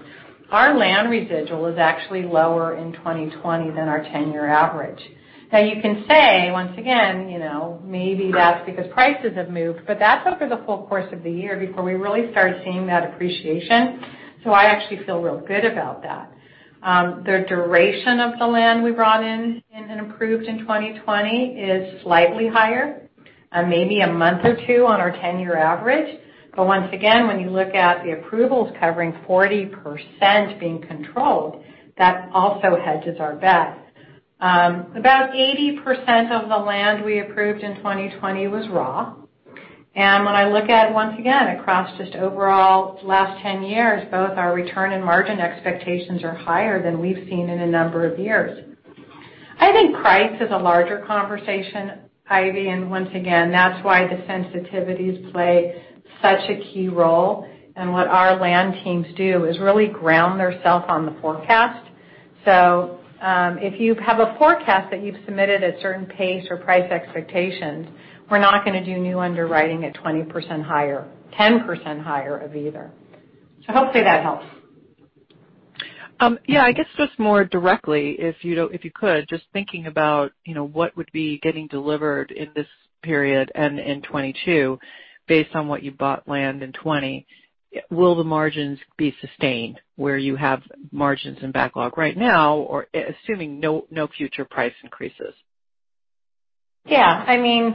Speaker 3: our land residual is actually lower in 2020 than our 10-year average. Now, you can say, once again, maybe that's because prices have moved, but that's over the full course of the year before we really start seeing that appreciation. So I actually feel real good about that. The duration of the land we brought in and improved in 2020 is slightly higher, maybe a month or two on our 10-year average. But once again, when you look at the approvals covering 40% being controlled, that also hedges our bet. About 80% of the land we approved in 2020 was raw. And when I look at, once again, across just overall last 10 years, both our return and margin expectations are higher than we've seen in a number of years. I think price is a larger conversation, Ivy. And once again, that's why the sensitivities play such a key role. What our land teams do is really ground themselves on the forecast. If you have a forecast that you've submitted at certain pace or price expectations, we're not going to do new underwriting at 20% higher, 10% higher of either. Hopefully that helps.
Speaker 8: Yeah. I guess just more directly, if you could, just thinking about what would be getting delivered in this period and in 2022 based on what you bought land in 2020, will the margins be sustained where you have margins and backlog right now or assuming no future price increases?
Speaker 3: Yeah. I mean,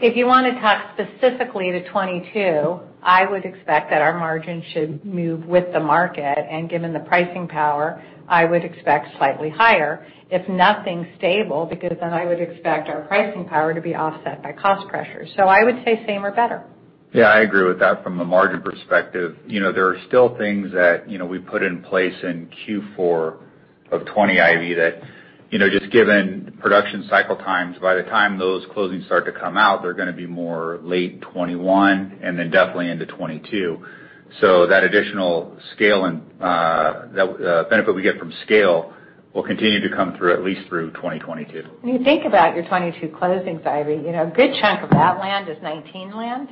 Speaker 3: if you want to talk specifically to 2022, I would expect that our margin should move with the market. Given the pricing power, I would expect slightly higher if nothing's stable because then I would expect our pricing power to be offset by cost pressure. So I would say same or better.
Speaker 4: Yeah. I agree with that from a margin perspective. There are still things that we put in place in Q4 of 2020, Ivy, that just given production cycle times, by the time those closings start to come out, they're going to be more late 2021 and then definitely into 2022. So that additional scale and the benefit we get from scale will continue to come through at least through 2022.
Speaker 3: When you think about your 2022 closings, Ivy, a good chunk of that land is 2019 land.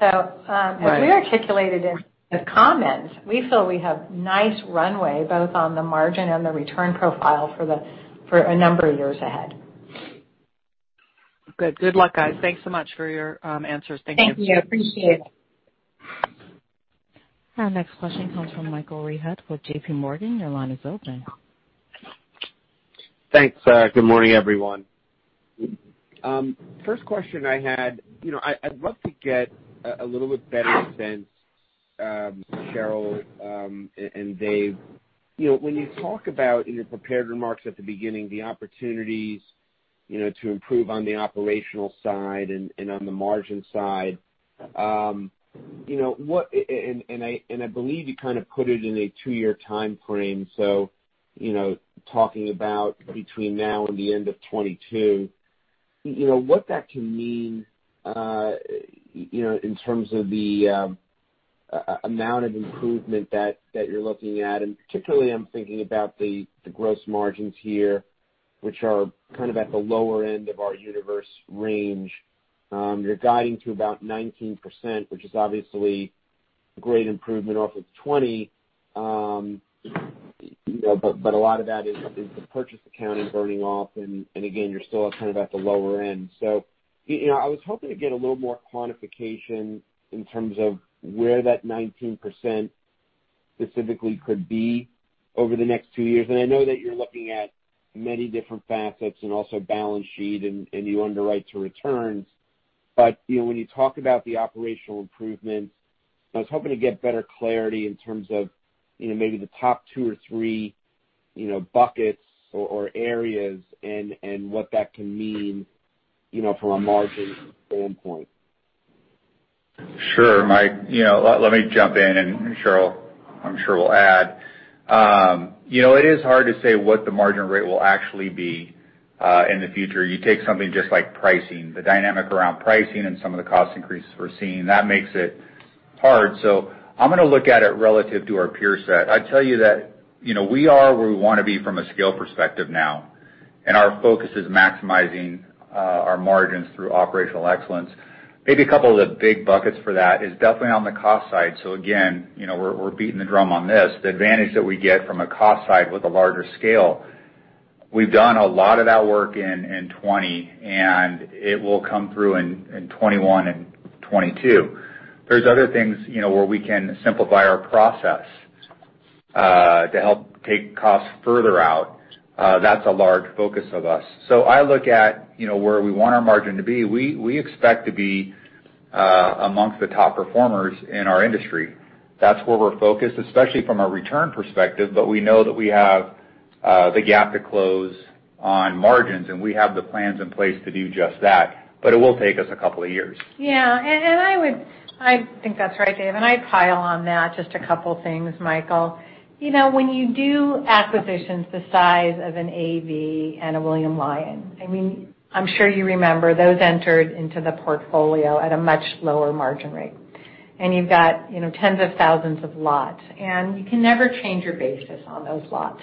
Speaker 3: So as we articulated in the comments, we feel we have a nice runway both on the margin and the return profile for a number of years ahead.
Speaker 8: Good. Good luck, guys. Thanks so much for your answers. Thank you.
Speaker 3: Thank you. Appreciate it.
Speaker 1: Our next question comes from Michael Rehaut with JPMorgan. Your line is open.
Speaker 9: Thanks. Good morning, everyone. First question I had, I'd love to get a little bit better sense, Sheryl and Dave. When you talk about in your prepared remarks at the beginning, the opportunities to improve on the operational side and on the margin side, and I believe you kind of put it in a two-year time frame. So talking about between now and the end of 2022, what that can mean in terms of the amount of improvement that you're looking at? And particularly, I'm thinking about the gross margins here, which are kind of at the lower end of our universe range. You're guiding to about 19%, which is obviously a great improvement off of 2020. But a lot of that is the purchase accounting burning off. And again, you're still kind of at the lower end. So I was hoping to get a little more quantification in terms of where that 19% specifically could be over the next two years. And I know that you're looking at many different facets and also balance sheet and your underwrite to returns. But when you talk about the operational improvements, I was hoping to get better clarity in terms of maybe the top two or three buckets or areas and what that can mean from a margin standpoint.
Speaker 4: Sure. Let me jump in. And Sheryl, I'm sure we'll add. It is hard to say what the margin rate will actually be in the future. You take something just like pricing, the dynamic around pricing and some of the cost increases we're seeing, that makes it hard. So I'm going to look at it relative to our peer set. I'd tell you that we are where we want to be from a scale perspective now, and our focus is maximizing our margins through operational excellence. Maybe a couple of the big buckets for that is definitely on the cost side, so again, we're beating the drum on this. The advantage that we get from a cost side with a larger scale, we've done a lot of that work in 2020, and it will come through in 2021 and 2022. There's other things where we can simplify our process to help take costs further out. That's a large focus of us, so I look at where we want our margin to be. We expect to be amongst the top performers in our industry. That's where we're focused, especially from a return perspective. But we know that we have the gap to close on margins, and we have the plans in place to do just that. But it will take us a couple of years.
Speaker 3: Yeah. And I think that's right, Dave. And I pile on that just a couple of things, Michael. When you do acquisitions the size of an AV and a William Lyon, I mean, I'm sure you remember those entered into the portfolio at a much lower margin rate. And you've got tens of thousands of lots. And you can never change your basis on those lots.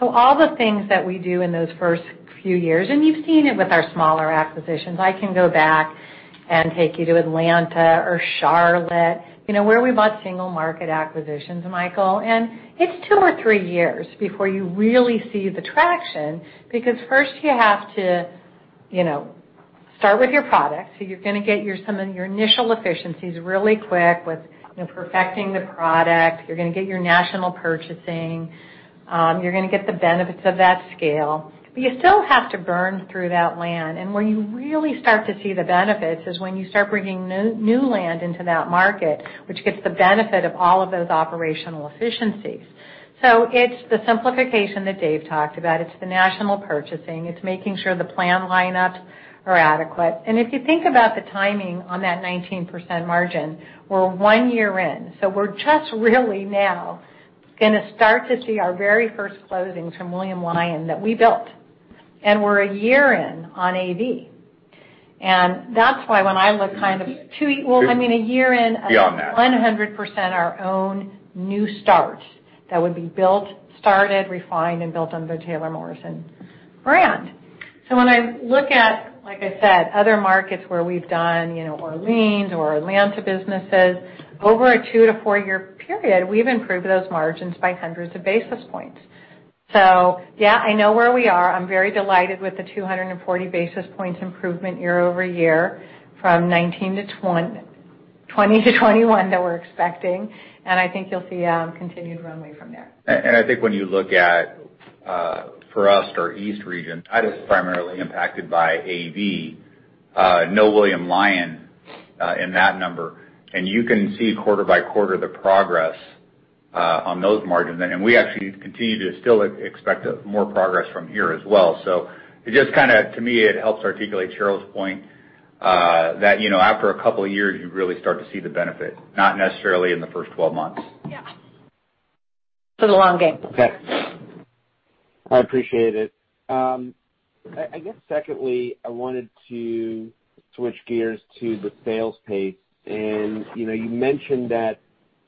Speaker 3: So all the things that we do in those first few years, and you've seen it with our smaller acquisitions, I can go back and take you to Atlanta or Charlotte, where we bought single market acquisitions, Michael. And it's two or three years before you really see the traction because first, you have to start with your product. So you're going to get some of your initial efficiencies really quick with perfecting the product. You're going to get your national purchasing. You're going to get the benefits of that scale. But you still have to burn through that land. And where you really start to see the benefits is when you start bringing new land into that market, which gets the benefit of all of those operational efficiencies. So it's the simplification that Dave talked about. It's the national purchasing. It's making sure the plan lineups are adequate. And if you think about the timing on that 19% margin, we're one year in. So we're just really now going to start to see our very first closings from William Lyon that we built. We're a year in on AV. That's why when I look, I mean, a year in. Beyond that, 100% our own new start that would be built, started, refined, and built under the Taylor Morrison brand. So when I look at, like I said, other markets where we've done Orleans or Atlanta businesses, over a two- to four-year period, we've improved those margins by hundreds of basis points. So yeah, I know where we are. I'm very delighted with the 240 basis points improvement year over year from 2019 to 2021 that we're expecting. I think you'll see continued runway from there.
Speaker 4: I think when you look at, for us, our East region, that is primarily impacted by AV, no William Lyon in that number. You can see quarter by quarter the progress on those margins. We actually continue to still expect more progress from here as well. It just kind of, to me, it helps articulate Sheryl's point that after a couple of years, you really start to see the benefit, not necessarily in the first 12 months.
Speaker 3: Yeah. For the long game.
Speaker 9: Okay. I appreciate it. I guess secondly, I wanted to switch gears to the sales pace. You mentioned that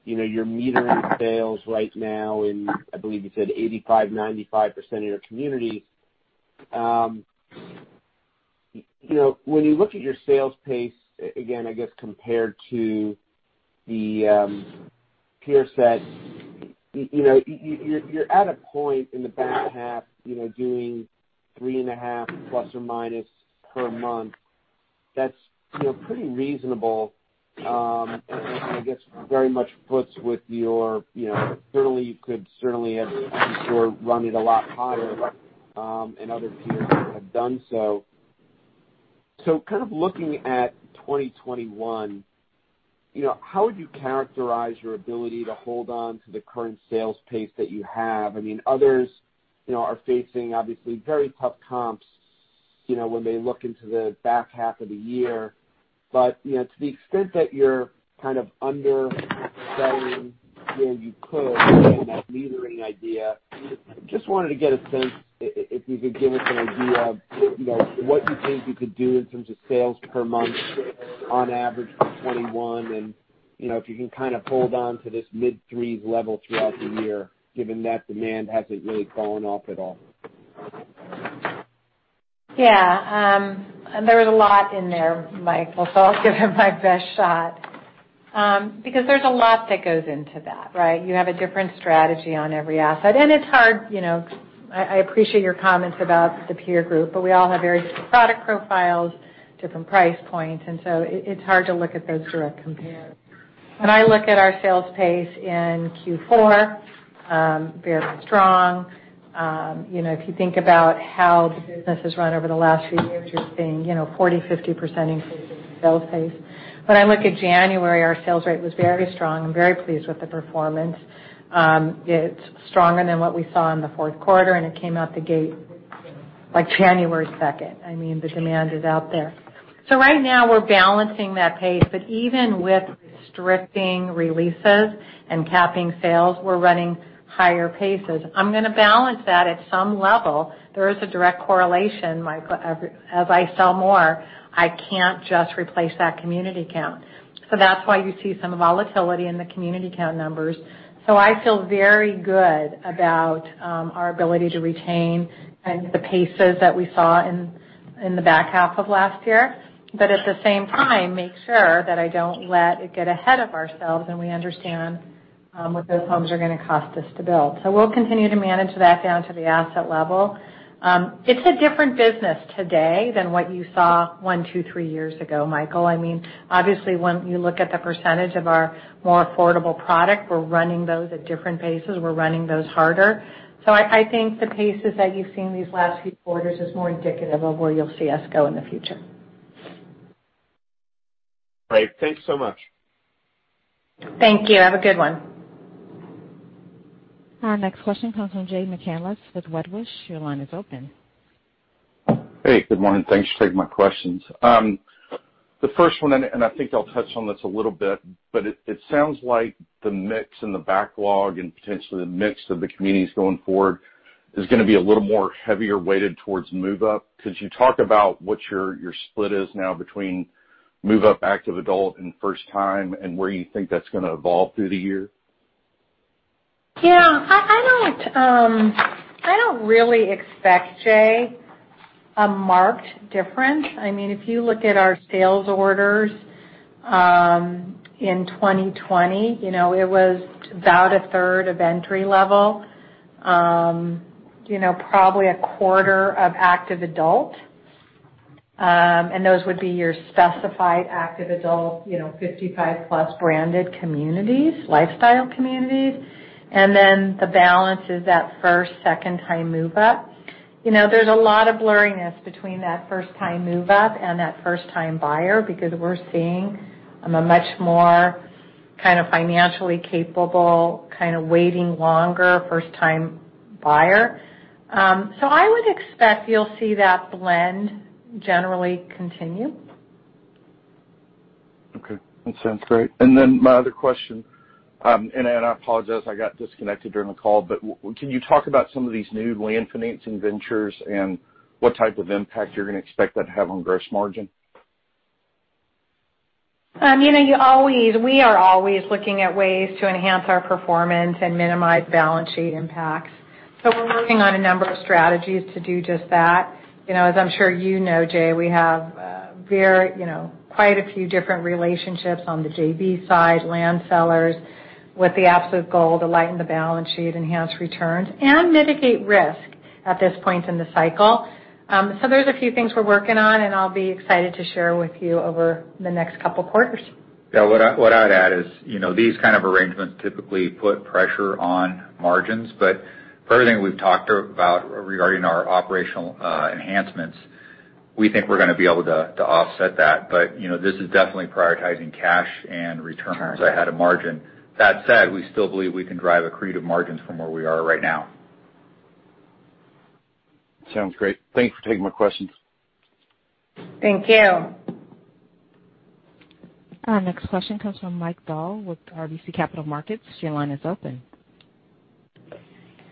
Speaker 9: you're metering sales right now in, I believe you said, 85%-95% of your community. When you look at your sales pace, again, I guess compared to the peer set, you're at a point in the back half doing three and a half plus or minus per month. That's pretty reasonable and I guess very much puts with your certainty. You could certainly have run it a lot higher and other peers have done so. So, kind of looking at 2021, how would you characterize your ability to hold on to the current sales pace that you have? I mean, others are facing, obviously, very tough comps when they look into the back half of the year. But to the extent that you're kind of under selling, you could, and that metering idea, just wanted to get a sense if you could give us an idea of what you think you could do in terms of sales per month on average for 2021 and if you can kind of hold on to this mid-threes level throughout the year given that demand hasn't really gone up at all.
Speaker 3: Yeah. And there was a lot in there, Michael. So I'll give it my best shot because there's a lot that goes into that, right? You have a different strategy on every asset. And it's hard. I appreciate your comments about the peer group, but we all have very different product profiles, different price points, and so it's hard to look at those direct comparisons. When I look at our sales pace in Q4, very strong. If you think about how the business has run over the last few years, you're seeing 40%-50% increase in sales pace. When I look at January, our sales rate was very strong. I'm very pleased with the performance. It's stronger than what we saw in the fourth quarter, and it came out the gate like January 2nd. I mean, the demand is out there, so right now, we're balancing that pace, but even with restricting releases and capping sales, we're running higher paces. I'm going to balance that at some level. There is a direct correlation, Michael. As I sell more, I can't just replace that community count. So that's why you see some volatility in the community count numbers. So I feel very good about our ability to retain the paces that we saw in the back half of last year. But at the same time, make sure that I don't let it get ahead of ourselves and we understand what those homes are going to cost us to build. So we'll continue to manage that down to the asset level. It's a different business today than what you saw one, two, three years ago, Michael. I mean, obviously, when you look at the percentage of our more affordable product, we're running those at different paces. We're running those harder. So I think the paces that you've seen these last few quarters is more indicative of where you'll see us go in the future.
Speaker 9: Great. Thanks so much.
Speaker 3: Thank you. Have a good one.
Speaker 1: Our next question comes from Jay McCanless with Wedbush. Your line is open.
Speaker 10: Hey. Good morning. Thanks for taking my questions. The first one, and I think I'll touch on this a little bit, but it sounds like the mix and the backlog and potentially the mix of the communities going forward is going to be a little more heavier weighted towards move-up. Could you talk about what your split is now between move-up, active adult, and first time, and where you think that's going to evolve through the year?
Speaker 3: Yeah. I don't really expect, Jay, a marked difference. I mean, if you look at our sales orders in 2020, it was about a third of entry level, probably a quarter of active adult. And those would be your specified active adult, 55-plus branded communities, lifestyle communities. And then the balance is that first, second-time move-up. There's a lot of blurriness between that first-time move-up and that first-time buyer because we're seeing a much more kind of financially capable, kind of waiting longer first-time buyer. So I would expect you'll see that blend generally continue.
Speaker 10: Okay. That sounds great. And then my other question, and I apologize, I got disconnected during the call, but can you talk about some of these new land financing ventures and what type of impact you're going to expect that to have on gross margin?
Speaker 3: We are always looking at ways to enhance our performance and minimize balance sheet impacts. So we're working on a number of strategies to do just that. As I'm sure you know, Jay, we have quite a few different relationships on the JV side, land sellers, with the absolute goal to lighten the balance sheet, enhance returns, and mitigate risk at this point in the cycle. So there's a few things we're working on, and I'll be excited to share with you over the next couple of quarters.
Speaker 4: Yeah. What I'd add is these kind of arrangements typically put pressure on margins. But for everything we've talked about regarding our operational enhancements, we think we're going to be able to offset that. But this is definitely prioritizing cash and returns ahead of margin. That said, we still believe we can drive accretive margins from where we are right now.
Speaker 10: Sounds great. Thanks for taking my questions.
Speaker 3: Thank you.
Speaker 1: Our next question comes from Mike Dahl with RBC Capital Markets. Your line is open.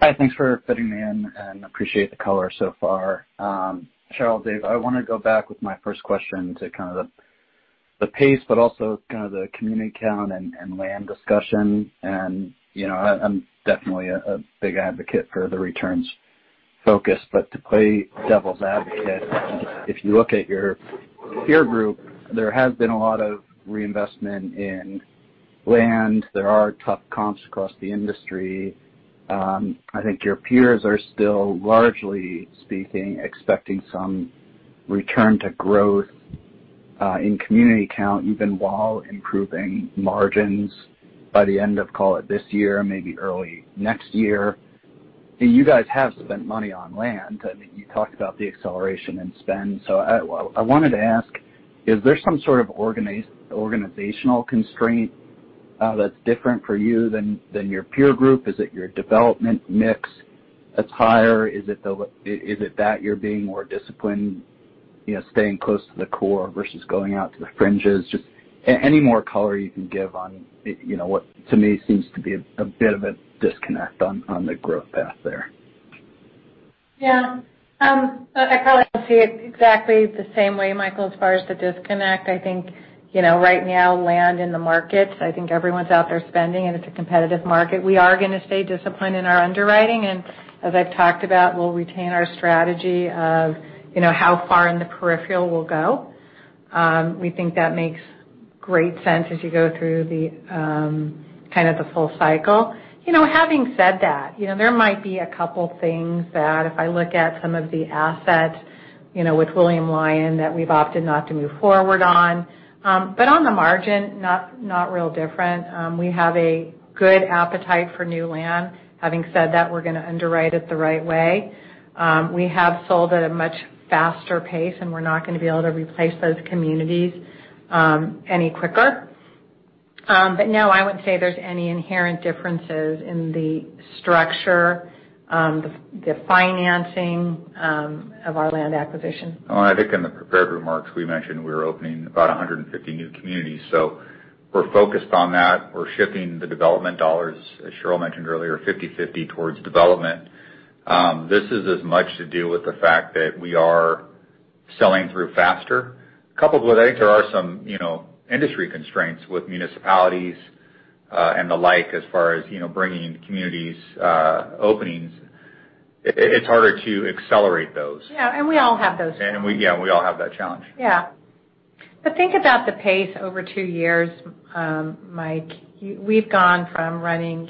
Speaker 11: Hi. Thanks for fitting me in. And I appreciate the color so far. Sheryl, Dave, I want to go back with my first question to kind of the pace, but also kind of the community count and land discussion. I'm definitely a big advocate for the returns focus. To play devil's advocate, if you look at your peer group, there has been a lot of reinvestment in land. There are tough comps across the industry. I think your peers are still, largely speaking, expecting some return to growth in community count, even while improving margins by the end of, call it this year, maybe early next year. You guys have spent money on land. I mean, you talked about the acceleration in spend. I wanted to ask, is there some sort of organizational constraint that's different for you than your peer group? Is it your development mix that's higher? Is it that you're being more disciplined, staying close to the core versus going out to the fringes? Just any more color you can give on what, to me, seems to be a bit of a disconnect on the growth path there.
Speaker 3: Yeah. So I probably don't see it exactly the same way, Michael, as far as the disconnect. I think right now, land in the markets, I think everyone's out there spending, and it's a competitive market. We are going to stay disciplined in our underwriting. And as I've talked about, we'll retain our strategy of how far in the peripheral we'll go. We think that makes great sense as you go through kind of the full cycle. Having said that, there might be a couple of things that, if I look at some of the assets with William Lyon that we've opted not to move forward on. But on the margin, not real different. We have a good appetite for new land. Having said that, we're going to underwrite it the right way. We have sold at a much faster pace, and we're not going to be able to replace those communities any quicker. But no, I wouldn't say there's any inherent differences in the structure, the financing of our land acquisition.
Speaker 4: I think in the prepared remarks, we mentioned we're opening about 150 new communities. So we're focused on that. We're shifting the development dollars, as Sheryl mentioned earlier, 50/50 towards development. This is as much to do with the fact that we are selling through faster. Coupled with, I think there are some industry constraints with municipalities and the like as far as bringing communities openings. It's harder to accelerate those.
Speaker 3: Yeah. And we all have those challenges.
Speaker 4: Yeah. We all have that challenge.
Speaker 3: Yeah. But think about the pace over two years, Mike. We've gone from running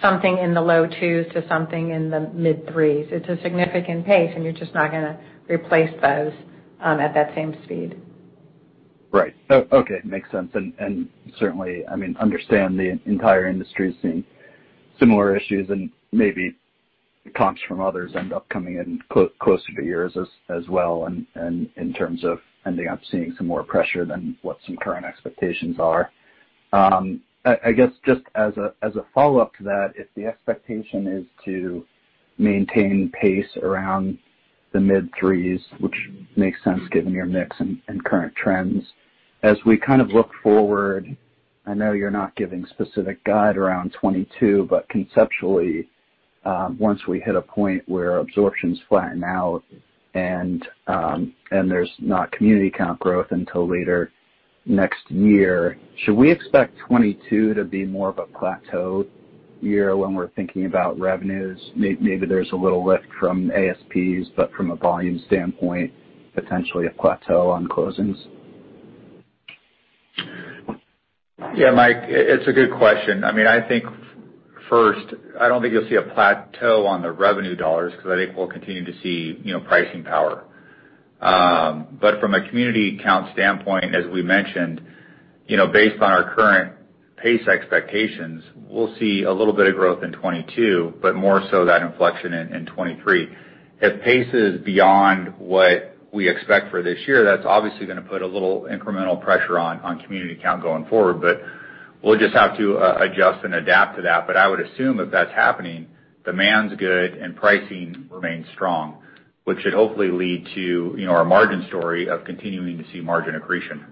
Speaker 3: something in the low twos to something in the mid-threes. It's a significant pace, and you're just not going to replace those at that same speed.
Speaker 11: Right. Okay. Makes sense. And certainly, I mean, understand the entire industry is seeing similar issues, and maybe comps from others end up coming in closer to yours as well in terms of ending up seeing some more pressure than what some current expectations are. I guess just as a follow-up to that, if the expectation is to maintain pace around the mid-threes, which makes sense given your mix and current trends, as we kind of look forward, I know you're not giving specific guide around 2022, but conceptually, once we hit a point where absorptions flatten out and there's not community count growth until later next year, should we expect 2022 to be more of a plateau year when we're thinking about revenues? Maybe there's a little lift from ASPs, but from a volume standpoint, potentially a plateau on closings.
Speaker 4: Yeah, Mike, it's a good question. I mean, I think first, I don't think you'll see a plateau on the revenue dollars because I think we'll continue to see pricing power. But from a community count standpoint, as we mentioned, based on our current pace expectations, we'll see a little bit of growth in 2022, but more so that inflection in 2023. If pace is beyond what we expect for this year, that's obviously going to put a little incremental pressure on community count going forward, but we'll just have to adjust and adapt to that. But I would assume if that's happening, demand's good and pricing remains strong, which should hopefully lead to our margin story of continuing to see margin accretion.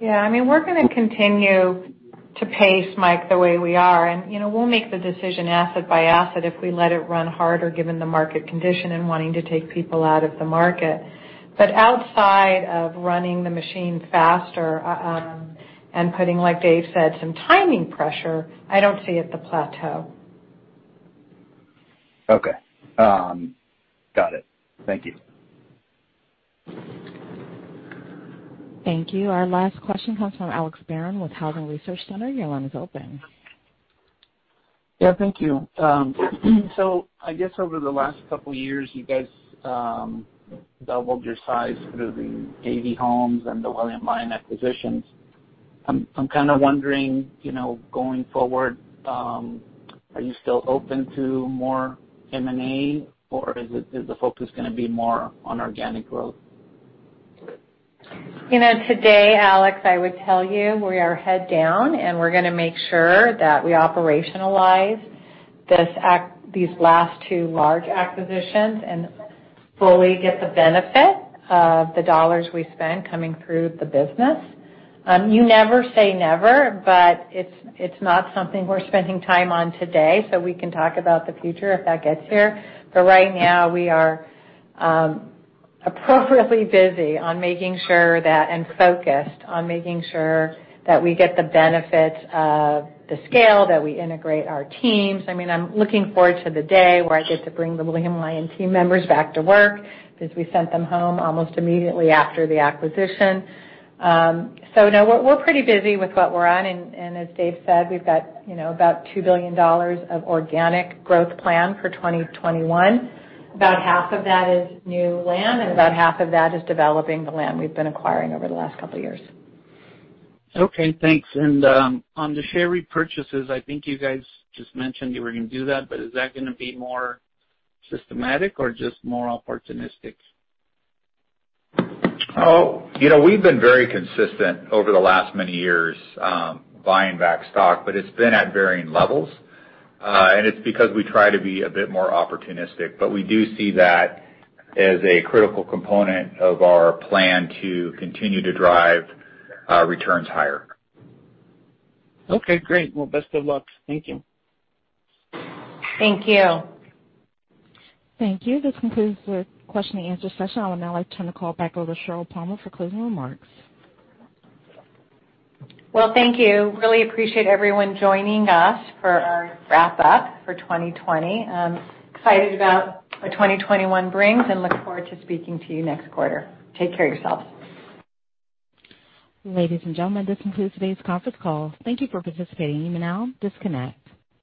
Speaker 3: Yeah. I mean, we're going to continue to pace, Mike, the way we are. And we'll make the decision asset by asset if we let it run harder given the market condition and wanting to take people out of the market. But outside of running the machine faster and putting, like Dave said, some timing pressure, I don't see it, the plateau.
Speaker 11: Okay. Got it. Thank you.
Speaker 1: Thank you. Our last question comes from Alex Barron with Housing Research Center. Your line is open.
Speaker 12: Yeah. Thank you. So I guess over the last couple of years, you guys doubled your size through the AV Homes and the William Lyon acquisitions. I'm kind of wondering, going forward, are you still open to more M&A, or is the focus going to be more on organic growth?
Speaker 3: Today, Alex, I would tell you we are head down, and we're going to make sure that we operationalize these last two large acquisitions and fully get the benefit of the dollars we spend coming through the business. You never say never, but it's not something we're spending time on today, so we can talk about the future if that gets here. But right now, we are appropriately busy and focused on making sure that we get the benefit of the scale, that we integrate our teams. I mean, I'm looking forward to the day where I get to bring the William Lyon team members back to work because we sent them home almost immediately after the acquisition. So no, we're pretty busy with what we're on. And as Dave said, we've got about $2 billion of organic growth plan for 2021. About half of that is new land, and about half of that is developing the land we've been acquiring over the last couple of years.
Speaker 12: Okay. Thanks. On the share repurchases, I think you guys just mentioned you were going to do that, but is that going to be more systematic or just more opportunistic?
Speaker 4: We've been very consistent over the last many years buying back stock, but it's been at varying levels. It's because we try to be a bit more opportunistic. We do see that as a critical component of our plan to continue to drive returns higher.
Speaker 12: Okay. Great. Best of luck. Thank you.
Speaker 3: Thank you.
Speaker 1: Thank you. This concludes the question-and-answer session. I will now turn the call back over to Sheryl Palmer for closing remarks.
Speaker 3: Thank you. Really appreciate everyone joining us for our wrap-up for 2020. Excited about what 2021 brings and look forward to speaking to you next quarter. Take care of yourselves.
Speaker 1: Ladies and gentlemen, this concludes today's conference call. Thank you for participating. You may now disconnect.